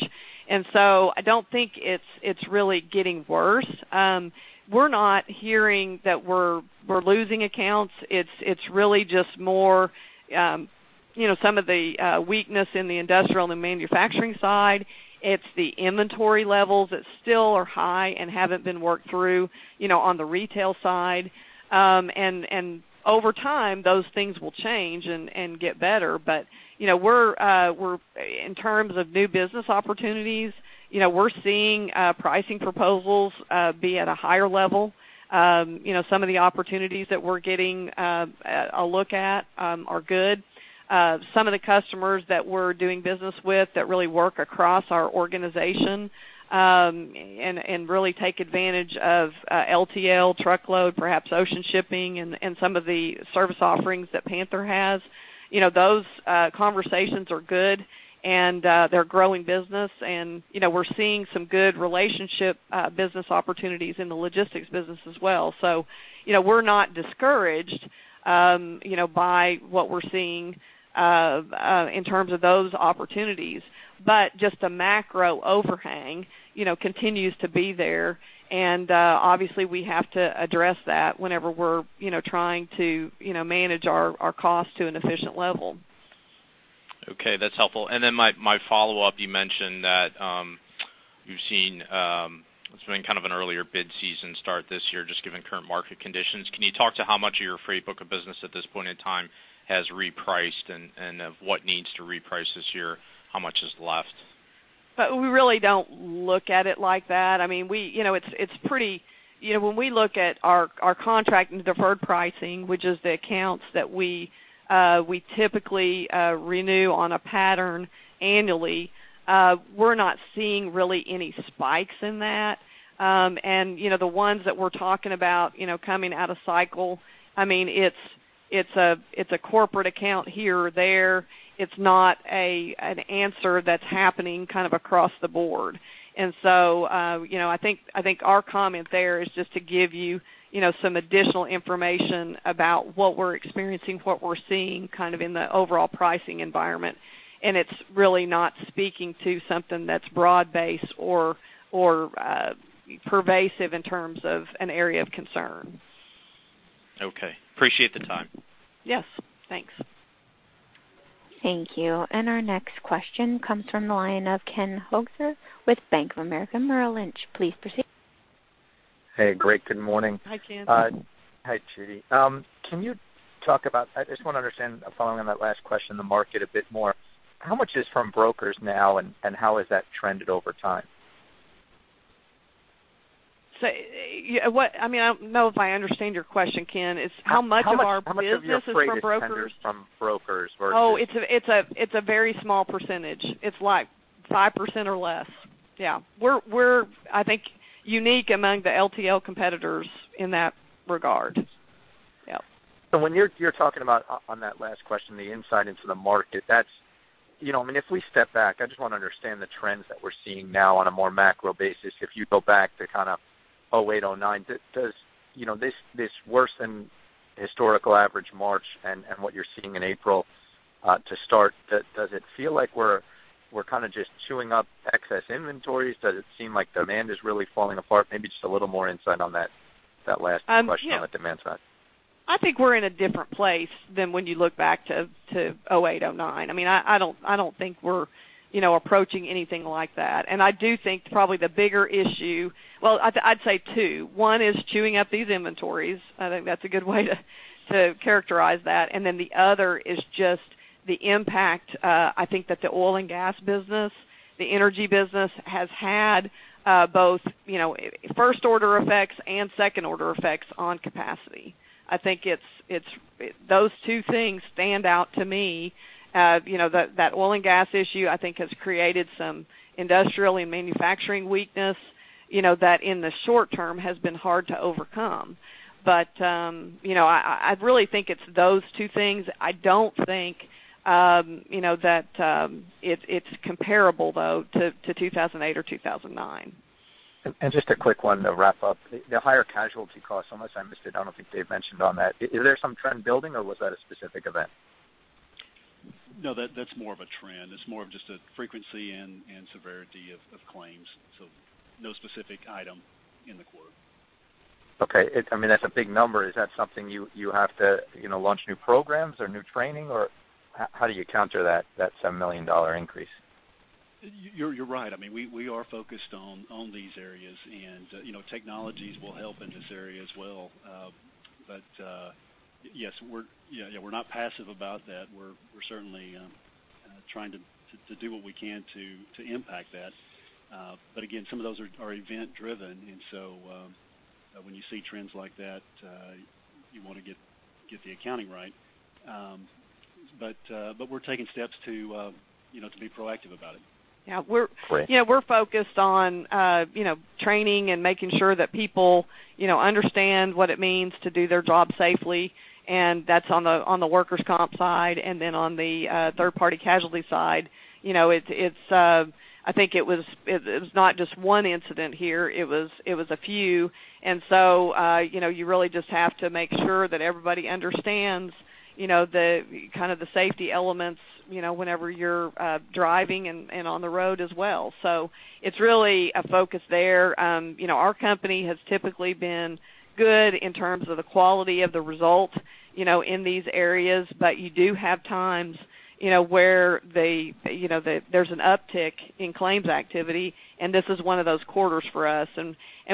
And so I don't think it's really getting worse. We're not hearing that we're losing accounts. It's really just more some of the weakness in the industrial and the manufacturing side. It's the inventory levels that still are high and haven't been worked through on the retail side. Over time, those things will change and get better. In terms of new business opportunities, we're seeing pricing proposals be at a higher level. Some of the opportunities that we're getting a look at are good. Some of the customers that we're doing business with that really work across our organization and really take advantage of LTL, truckload, perhaps ocean shipping, and some of the service offerings that Panther has, those conversations are good. They're growing business. We're seeing some good relationship business opportunities in the logistics business as well. We're not discouraged by what we're seeing in terms of those opportunities. Just the macro overhang continues to be there. Obviously, we have to address that whenever we're trying to manage our costs to an efficient level. Okay. That's helpful. And then my follow-up, you mentioned that you've seen it's been kind of an earlier bid season start this year, just given current market conditions. Can you talk to how much of your freight book of business at this point in time has repriced? And of what needs to reprice this year, how much is left? But we really don't look at it like that. I mean, it's pretty when we look at our contract and deferred pricing, which is the accounts that we typically renew on a pattern annually, we're not seeing really any spikes in that. And the ones that we're talking about coming out of cycle, I mean, it's a corporate account here, there. It's not an answer that's happening kind of across the board. And so I think our comment there is just to give you some additional information about what we're experiencing, what we're seeing kind of in the overall pricing environment. And it's really not speaking to something that's broad-based or pervasive in terms of an area of concern. Okay. Appreciate the time. Yes. Thanks. Thank you. Our next question comes from the line of Ken Hoexter with Bank of America Merrill Lynch. Please proceed. Hey. Great. Good morning. Hi, Ken. Hi, Judy. Can you talk about, I just want to understand, following on that last question, the market a bit more? How much is from brokers now? And how has that trended over time? I mean, I don't know if I understand your question, Ken. How much of our business is from brokers? How much of your business is hundredweights from brokers versus? Oh, it's a very small percentage. It's like 5% or less. Yeah. We're, I think, unique among the LTL competitors in that regard. Yeah. So when you're talking about, on that last question, the insight into the market, that's—I mean, if we step back, I just want to understand the trends that we're seeing now on a more macro basis. If you go back to kind of 2008, 2009, does this worsen historical average March and what you're seeing in April to start? Does it feel like we're kind of just chewing up excess inventories? Does it seem like demand is really falling apart? Maybe just a little more insight on that last question on the demand side. I think we're in a different place than when you look back to 2008, 2009. I mean, I don't think we're approaching anything like that. And I do think probably the bigger issue, well, I'd say two. One is chewing up these inventories. I think that's a good way to characterize that. And then the other is just the impact, I think, that the oil and gas business, the energy business has had both first-order effects and second-order effects on capacity. I think those two things stand out to me. That oil and gas issue, I think, has created some industrial and manufacturing weakness that, in the short term, has been hard to overcome. But I really think it's those two things. I don't think that it's comparable, though, to 2008 or 2009. Just a quick one to wrap up. The higher casualty costs, unless I missed it, I don't think they've mentioned on that. Is there some trend building, or was that a specific event? No. That's more of a trend. It's more of just a frequency and severity of claims. So no specific item in the quarter. Okay. I mean, that's a big number. Is that something you have to launch new programs or new training? Or how do you counter that $7 million increase? You're right. I mean, we are focused on these areas. And technologies will help in this area as well. But yes, yeah, we're not passive about that. We're certainly trying to do what we can to impact that. But again, some of those are event-driven. And so when you see trends like that, you want to get the accounting right. But we're taking steps to be proactive about it. Yeah. We're focused on training and making sure that people understand what it means to do their job safely. That's on the workers' comp side. Then on the third-party casualty side, I think it was not just one incident here. It was a few. So you really just have to make sure that everybody understands kind of the safety elements whenever you're driving and on the road as well. So it's really a focus there. Our company has typically been good in terms of the quality of the result in these areas. But you do have times where there's an uptick in claims activity. This is one of those quarters for us.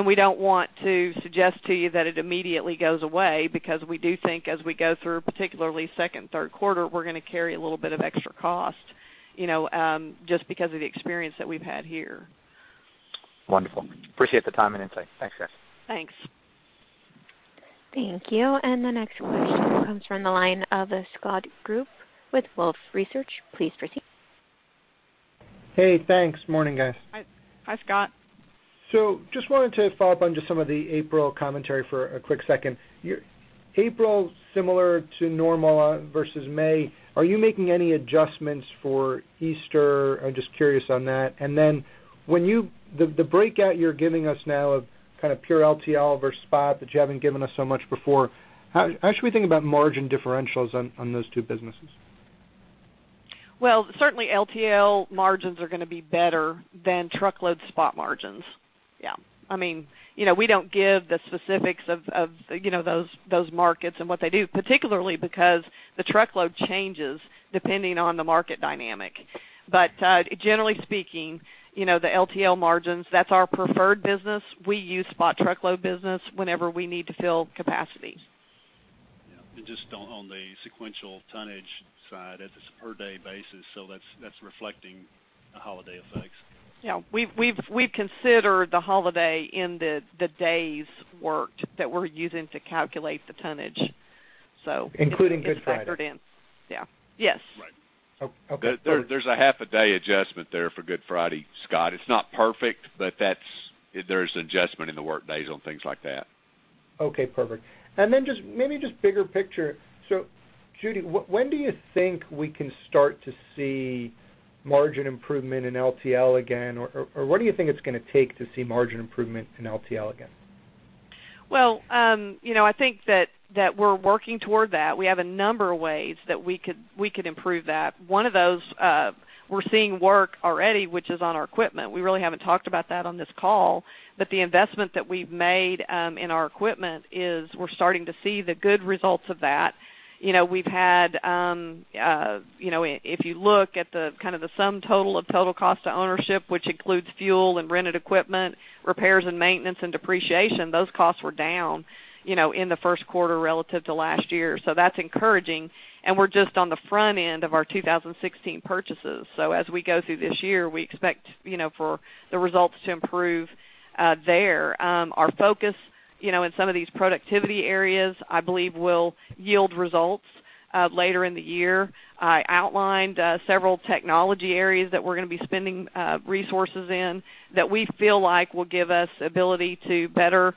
We don't want to suggest to you that it immediately goes away because we do think, as we go through, particularly second, third quarter, we're going to carry a little bit of extra cost just because of the experience that we've had here. Wonderful. Appreciate the time and insight. Thanks, guys. Thanks. Thank you. And the next question comes from the line of Scott Group with Wolfe Research. Please proceed. Hey. Thanks. Morning, guys. Hi, Scott. So just wanted to follow up on just some of the April commentary for a quick second. April, similar to normal versus May. Are you making any adjustments for Easter? I'm just curious on that. And then the breakout you're giving us now of kind of pure LTL versus spot that you haven't given us so much before, how should we think about margin differentials on those two businesses? Well, certainly, LTL margins are going to be better than truckload spot margins. Yeah. I mean, we don't give the specifics of those markets and what they do, particularly because the truckload changes depending on the market dynamic. But generally speaking, the LTL margins, that's our preferred business. We use spot truckload business whenever we need to fill capacity. Yeah. And just on the sequential tonnage side at the per-day basis, so that's reflecting the holiday effects. Yeah. We've considered the holiday in the days worked that we're using to calculate the tonnage. So. Including Good Friday. It's factored in. Yeah. Yes. Right. Okay. There's a half-a-day adjustment there for Good Friday, Scott. It's not perfect, but there's an adjustment in the workdays on things like that. Okay. Perfect. And then maybe just bigger picture. So, Judy, when do you think we can start to see margin improvement in LTL again? Or what do you think it's going to take to see margin improvement in LTL again? Well, I think that we're working toward that. We have a number of ways that we could improve that. One of those we're seeing work already, which is on our equipment. We really haven't talked about that on this call. But the investment that we've made in our equipment is we're starting to see the good results of that. We've had, if you look at kind of the sum total of total cost to ownership, which includes fuel and rented equipment, repairs and maintenance, and depreciation, those costs were down in the first quarter relative to last year. So that's encouraging. And we're just on the front end of our 2016 purchases. So as we go through this year, we expect for the results to improve there. Our focus in some of these productivity areas, I believe, will yield results later in the year. I outlined several technology areas that we're going to be spending resources in that we feel like will give us the ability to better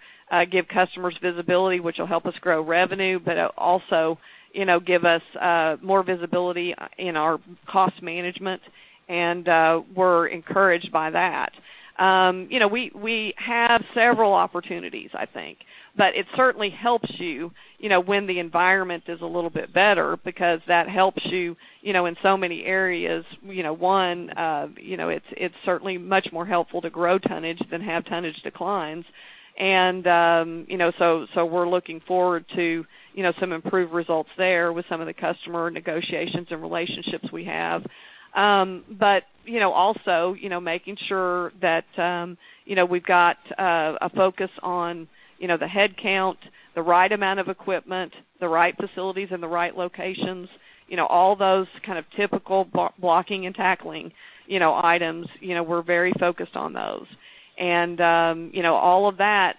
give customers visibility, which will help us grow revenue, but also give us more visibility in our cost management. We're encouraged by that. We have several opportunities, I think. It certainly helps you when the environment is a little bit better because that helps you in so many areas. One, it's certainly much more helpful to grow tonnage than have tonnage declines. We're looking forward to some improved results there with some of the customer negotiations and relationships we have. But also making sure that we've got a focus on the headcount, the right amount of equipment, the right facilities, and the right locations, all those kind of typical blocking and tackling items, we're very focused on those. All of that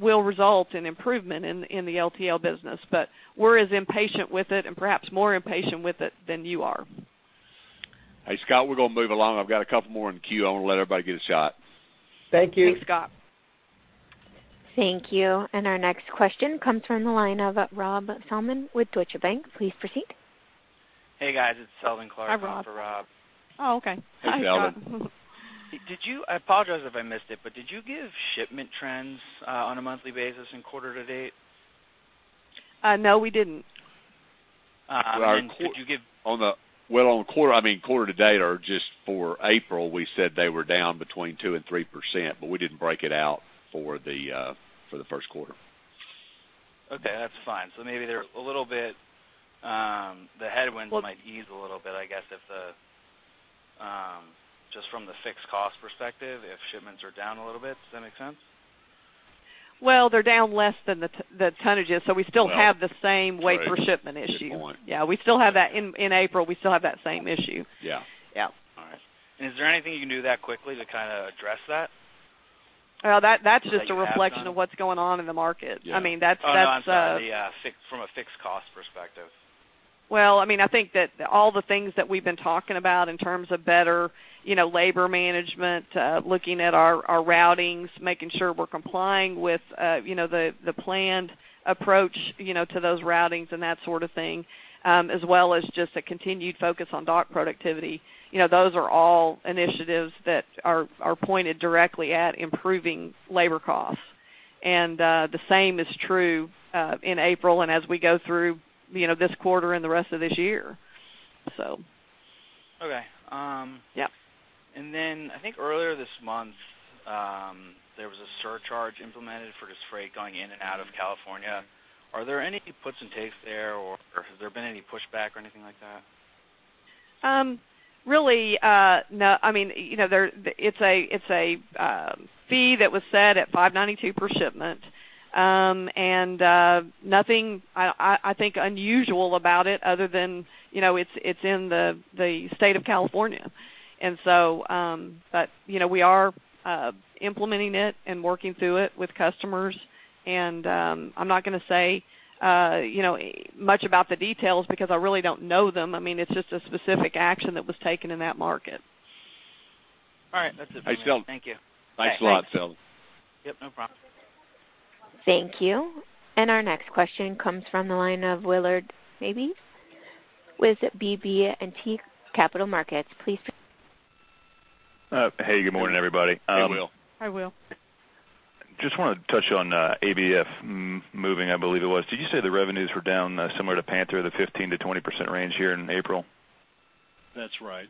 will result in improvement in the LTL business. We're as impatient with it and perhaps more impatient with it than you are. Hey, Scott. We're going to move along. I've got a couple more in the queue. I want to let everybody get a shot. Thank you. Thanks, Scott. Thank you. And our next question comes from the line of Rob Salmon with Deutsche Bank. Please proceed. Hey, guys. It's Seldon Clarke. I'm for Rob. Hi, Rob. Oh, okay. Hey, Scott. Hey, Seldon. I apologize if I missed it, but did you give shipment trends on a monthly basis and quarter-to-date? No, we didn't. Well, did you give? Well, on quarter I mean, quarter-to-date or just for April, we said they were down between 2% and 3%. But we didn't break it out for the first quarter. Okay. That's fine. So maybe they're a little bit the headwinds might ease a little bit, I guess, just from the fixed cost perspective if shipments are down a little bit. Does that make sense? Well, they're down less than the tonnages. So we still have the same weight-for-shipment issue. Good point. Yeah. We still have that in April. We still have that same issue. Yeah. All right. Is there anything you can do that quickly to kind of address that? Well, that's just a reflection of what's going on in the market. I mean, that's. Oh, no. I'm talking from a fixed cost perspective. Well, I mean, I think that all the things that we've been talking about in terms of better labor management, looking at our routings, making sure we're complying with the planned approach to those routings and that sort of thing, as well as just a continued focus on dock productivity, those are all initiatives that are pointed directly at improving labor costs. The same is true in April and as we go through this quarter and the rest of this year, so. Okay. And then I think earlier this month, there was a surcharge implemented for just freight going in and out of California. Are there any puts and takes there? Or has there been any pushback or anything like that? Really, no. I mean, it's a fee that was set at $5.92 per shipment. Nothing, I think, unusual about it other than it's in the state of California. But we are implementing it and working through it with customers. I'm not going to say much about the details because I really don't know them. I mean, it's just a specific action that was taken in that market. All right. That's it for me. Hey, Seldon. Thank you. Thanks a lot, Seldon. Yep. No problem. Thank you. Our next question comes from the line of Will Milby, maybe. With BB&T Capital Markets. Please proceed. Hey. Good morning, everybody. Hey, Will. Hi, Will. Just wanted to touch on ABF Moving, I believe it was. Did you say the revenues were down similar to Panther, the 15%-20% range here in April? That's right.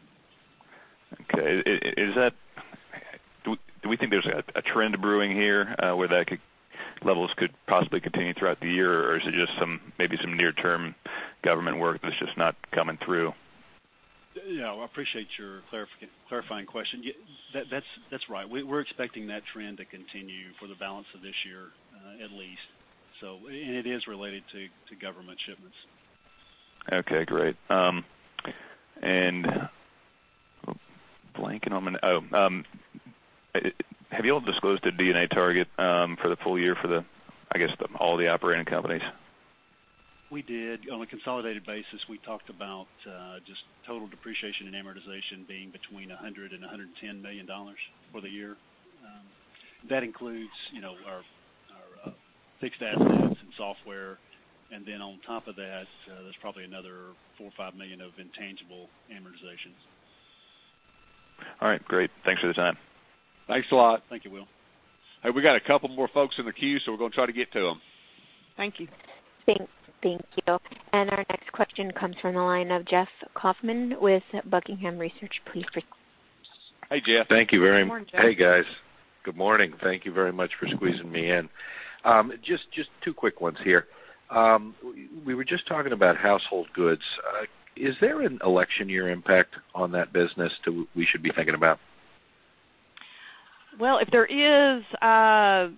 Okay. Do we think there's a trend brewing here where that levels could possibly continue throughout the year? Or is it just maybe some near-term government work that's just not coming through? Yeah. I appreciate your clarifying question. That's right. We're expecting that trend to continue for the balance of this year, at least. It is related to government shipments. Okay. Great. And, blanking on my oh, have you all disclosed a D&A target for the full year for, I guess, all the operating companies? We did. On a consolidated basis, we talked about just total depreciation and amortization being between $100 million and $110 million for the year. That includes our fixed assets and software. And then on top of that, there's probably another $4 million or $5 million of intangible amortizations. All right. Great. Thanks for the time. Thanks a lot. Thank you, Will. Hey, we got a couple more folks in the queue, so we're going to try to get to them. Thank you. Thank you. Our next question comes from the line of Jeff Kauffman with Buckingham Research. Please proceed. Hey, Jeff. Thank you very much. Good morning, Jeff. Hey, guys. Good morning. Thank you very much for squeezing me in. Just two quick ones here. We were just talking about household goods. Is there an election year impact on that business that we should be thinking about? Well, if there is, I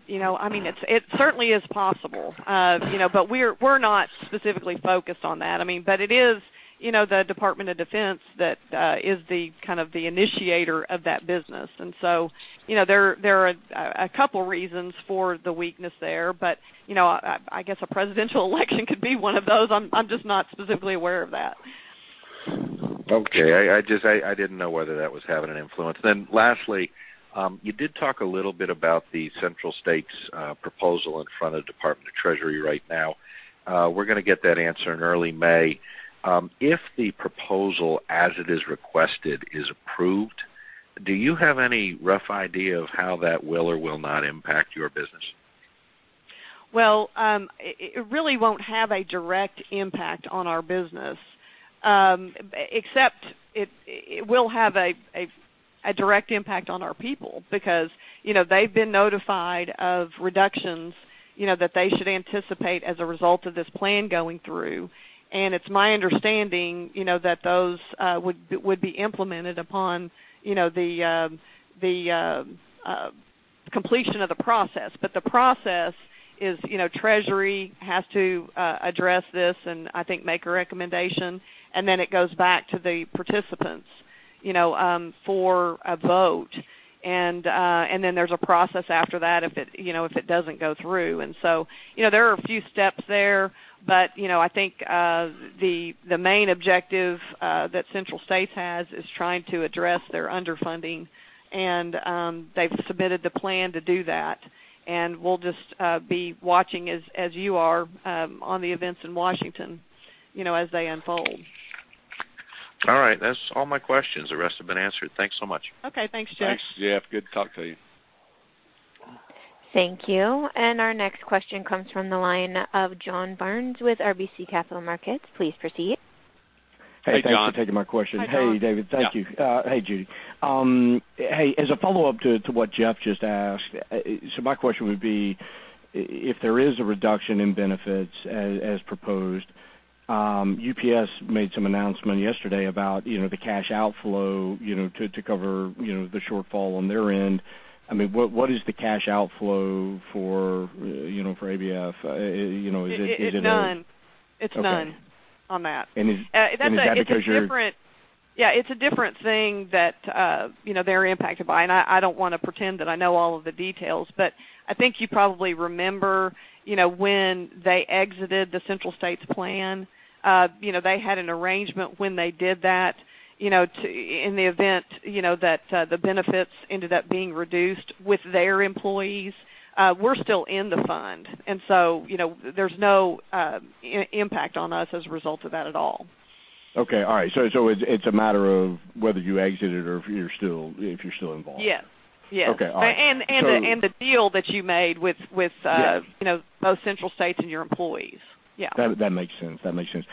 mean, it certainly is possible. But we're not specifically focused on that. I mean, but it is the Department of Defense that is kind of the initiator of that business. And so there are a couple reasons for the weakness there. But I guess a presidential election could be one of those. I'm just not specifically aware of that. Okay. I didn't know whether that was having an influence. Then lastly, you did talk a little bit about the Central States' proposal in front of the Department of the Treasury right now. We're going to get that answer in early May. If the proposal, as it is requested, is approved, do you have any rough idea of how that will or will not impact your business? Well, it really won't have a direct impact on our business except it will have a direct impact on our people because they've been notified of reductions that they should anticipate as a result of this plan going through. And it's my understanding that those would be implemented upon the completion of the process. But the process is Treasury has to address this and, I think, make a recommendation. And then it goes back to the participants for a vote. And then there's a process after that if it doesn't go through. And so there are a few steps there. But I think the main objective that Central States has is trying to address their underfunding. And they've submitted the plan to do that. And we'll just be watching, as you are, on the events in Washington as they unfold. All right. That's all my questions. The rest have been answered. Thanks so much. Okay. Thanks, Jeff. Thanks, Jeff. Good talk to you. Thank you. And our next question comes from the line of John Barnes with RBC Capital Markets. Please proceed. Hey, John. Hey, John. I'm taking my question. Hey, David. Thank you. Hey, Judy. Hey, as a follow-up to what Jeff just asked, so my question would be if there is a reduction in benefits as proposed, UPS made some announcement yesterday about the cash outflow to cover the shortfall on their end. I mean, what is the cash outflow for ABF? Is it? It's none. It's none on that. Is that because you're? Yeah. It's a different thing that they're impacted by. I don't want to pretend that I know all of the details. But I think you probably remember when they exited the Central States' plan. They had an arrangement when they did that. In the event that the benefits ended up being reduced with their employees, we're still in the fund. And so there's no impact on us as a result of that at all. Okay. All right. It's a matter of whether you exited or if you're still involved. Yes. Yes. Okay. All right. The deal that you made with both Central States and your employees. Yeah. That makes sense. That makes sense.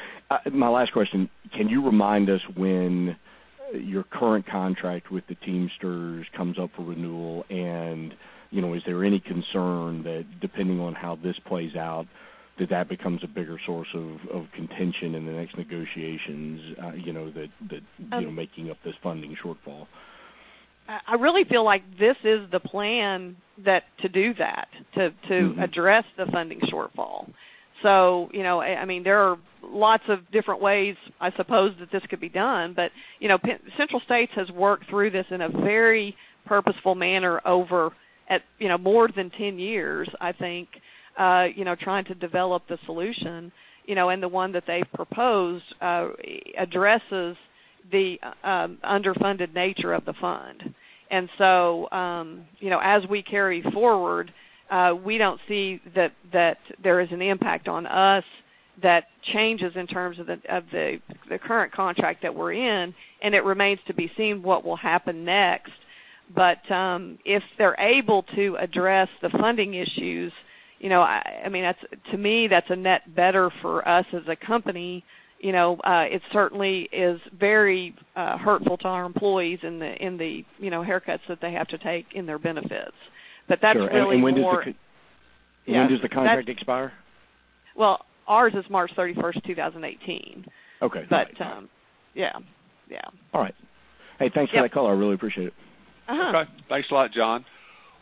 My last question, can you remind us when your current contract with the Teamsters comes up for renewal? And is there any concern that, depending on how this plays out, that that becomes a bigger source of contention in the next negotiations that making up this funding shortfall? I really feel like this is the plan to do that, to address the funding shortfall. So I mean, there are lots of different ways, I suppose, that this could be done. But Central States has worked through this in a very purposeful manner over more than 10 years, I think, trying to develop the solution. And the one that they've proposed addresses the underfunded nature of the fund. And so as we carry forward, we don't see that there is an impact on us that changes in terms of the current contract that we're in. And it remains to be seen what will happen next. But if they're able to address the funding issues, I mean, to me, that's a net better for us as a company. It certainly is very hurtful to our employees in the haircuts that they have to take in their benefits. But that's really more. Sure. When does the? Yeah. When does the contract expire? Well, ours is March 31st, 2018. But yeah. Yeah. All right. Hey, thanks for that call. I really appreciate it. Okay. Thanks a lot, John.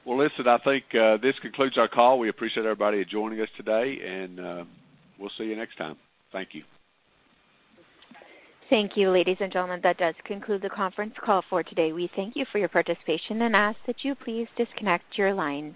Well, listen, I think this concludes our call. We appreciate everybody joining us today. And we'll see you next time. Thank you. Thank you, ladies and gentlemen. That does conclude the conference call for today. We thank you for your participation and ask that you please disconnect your lines.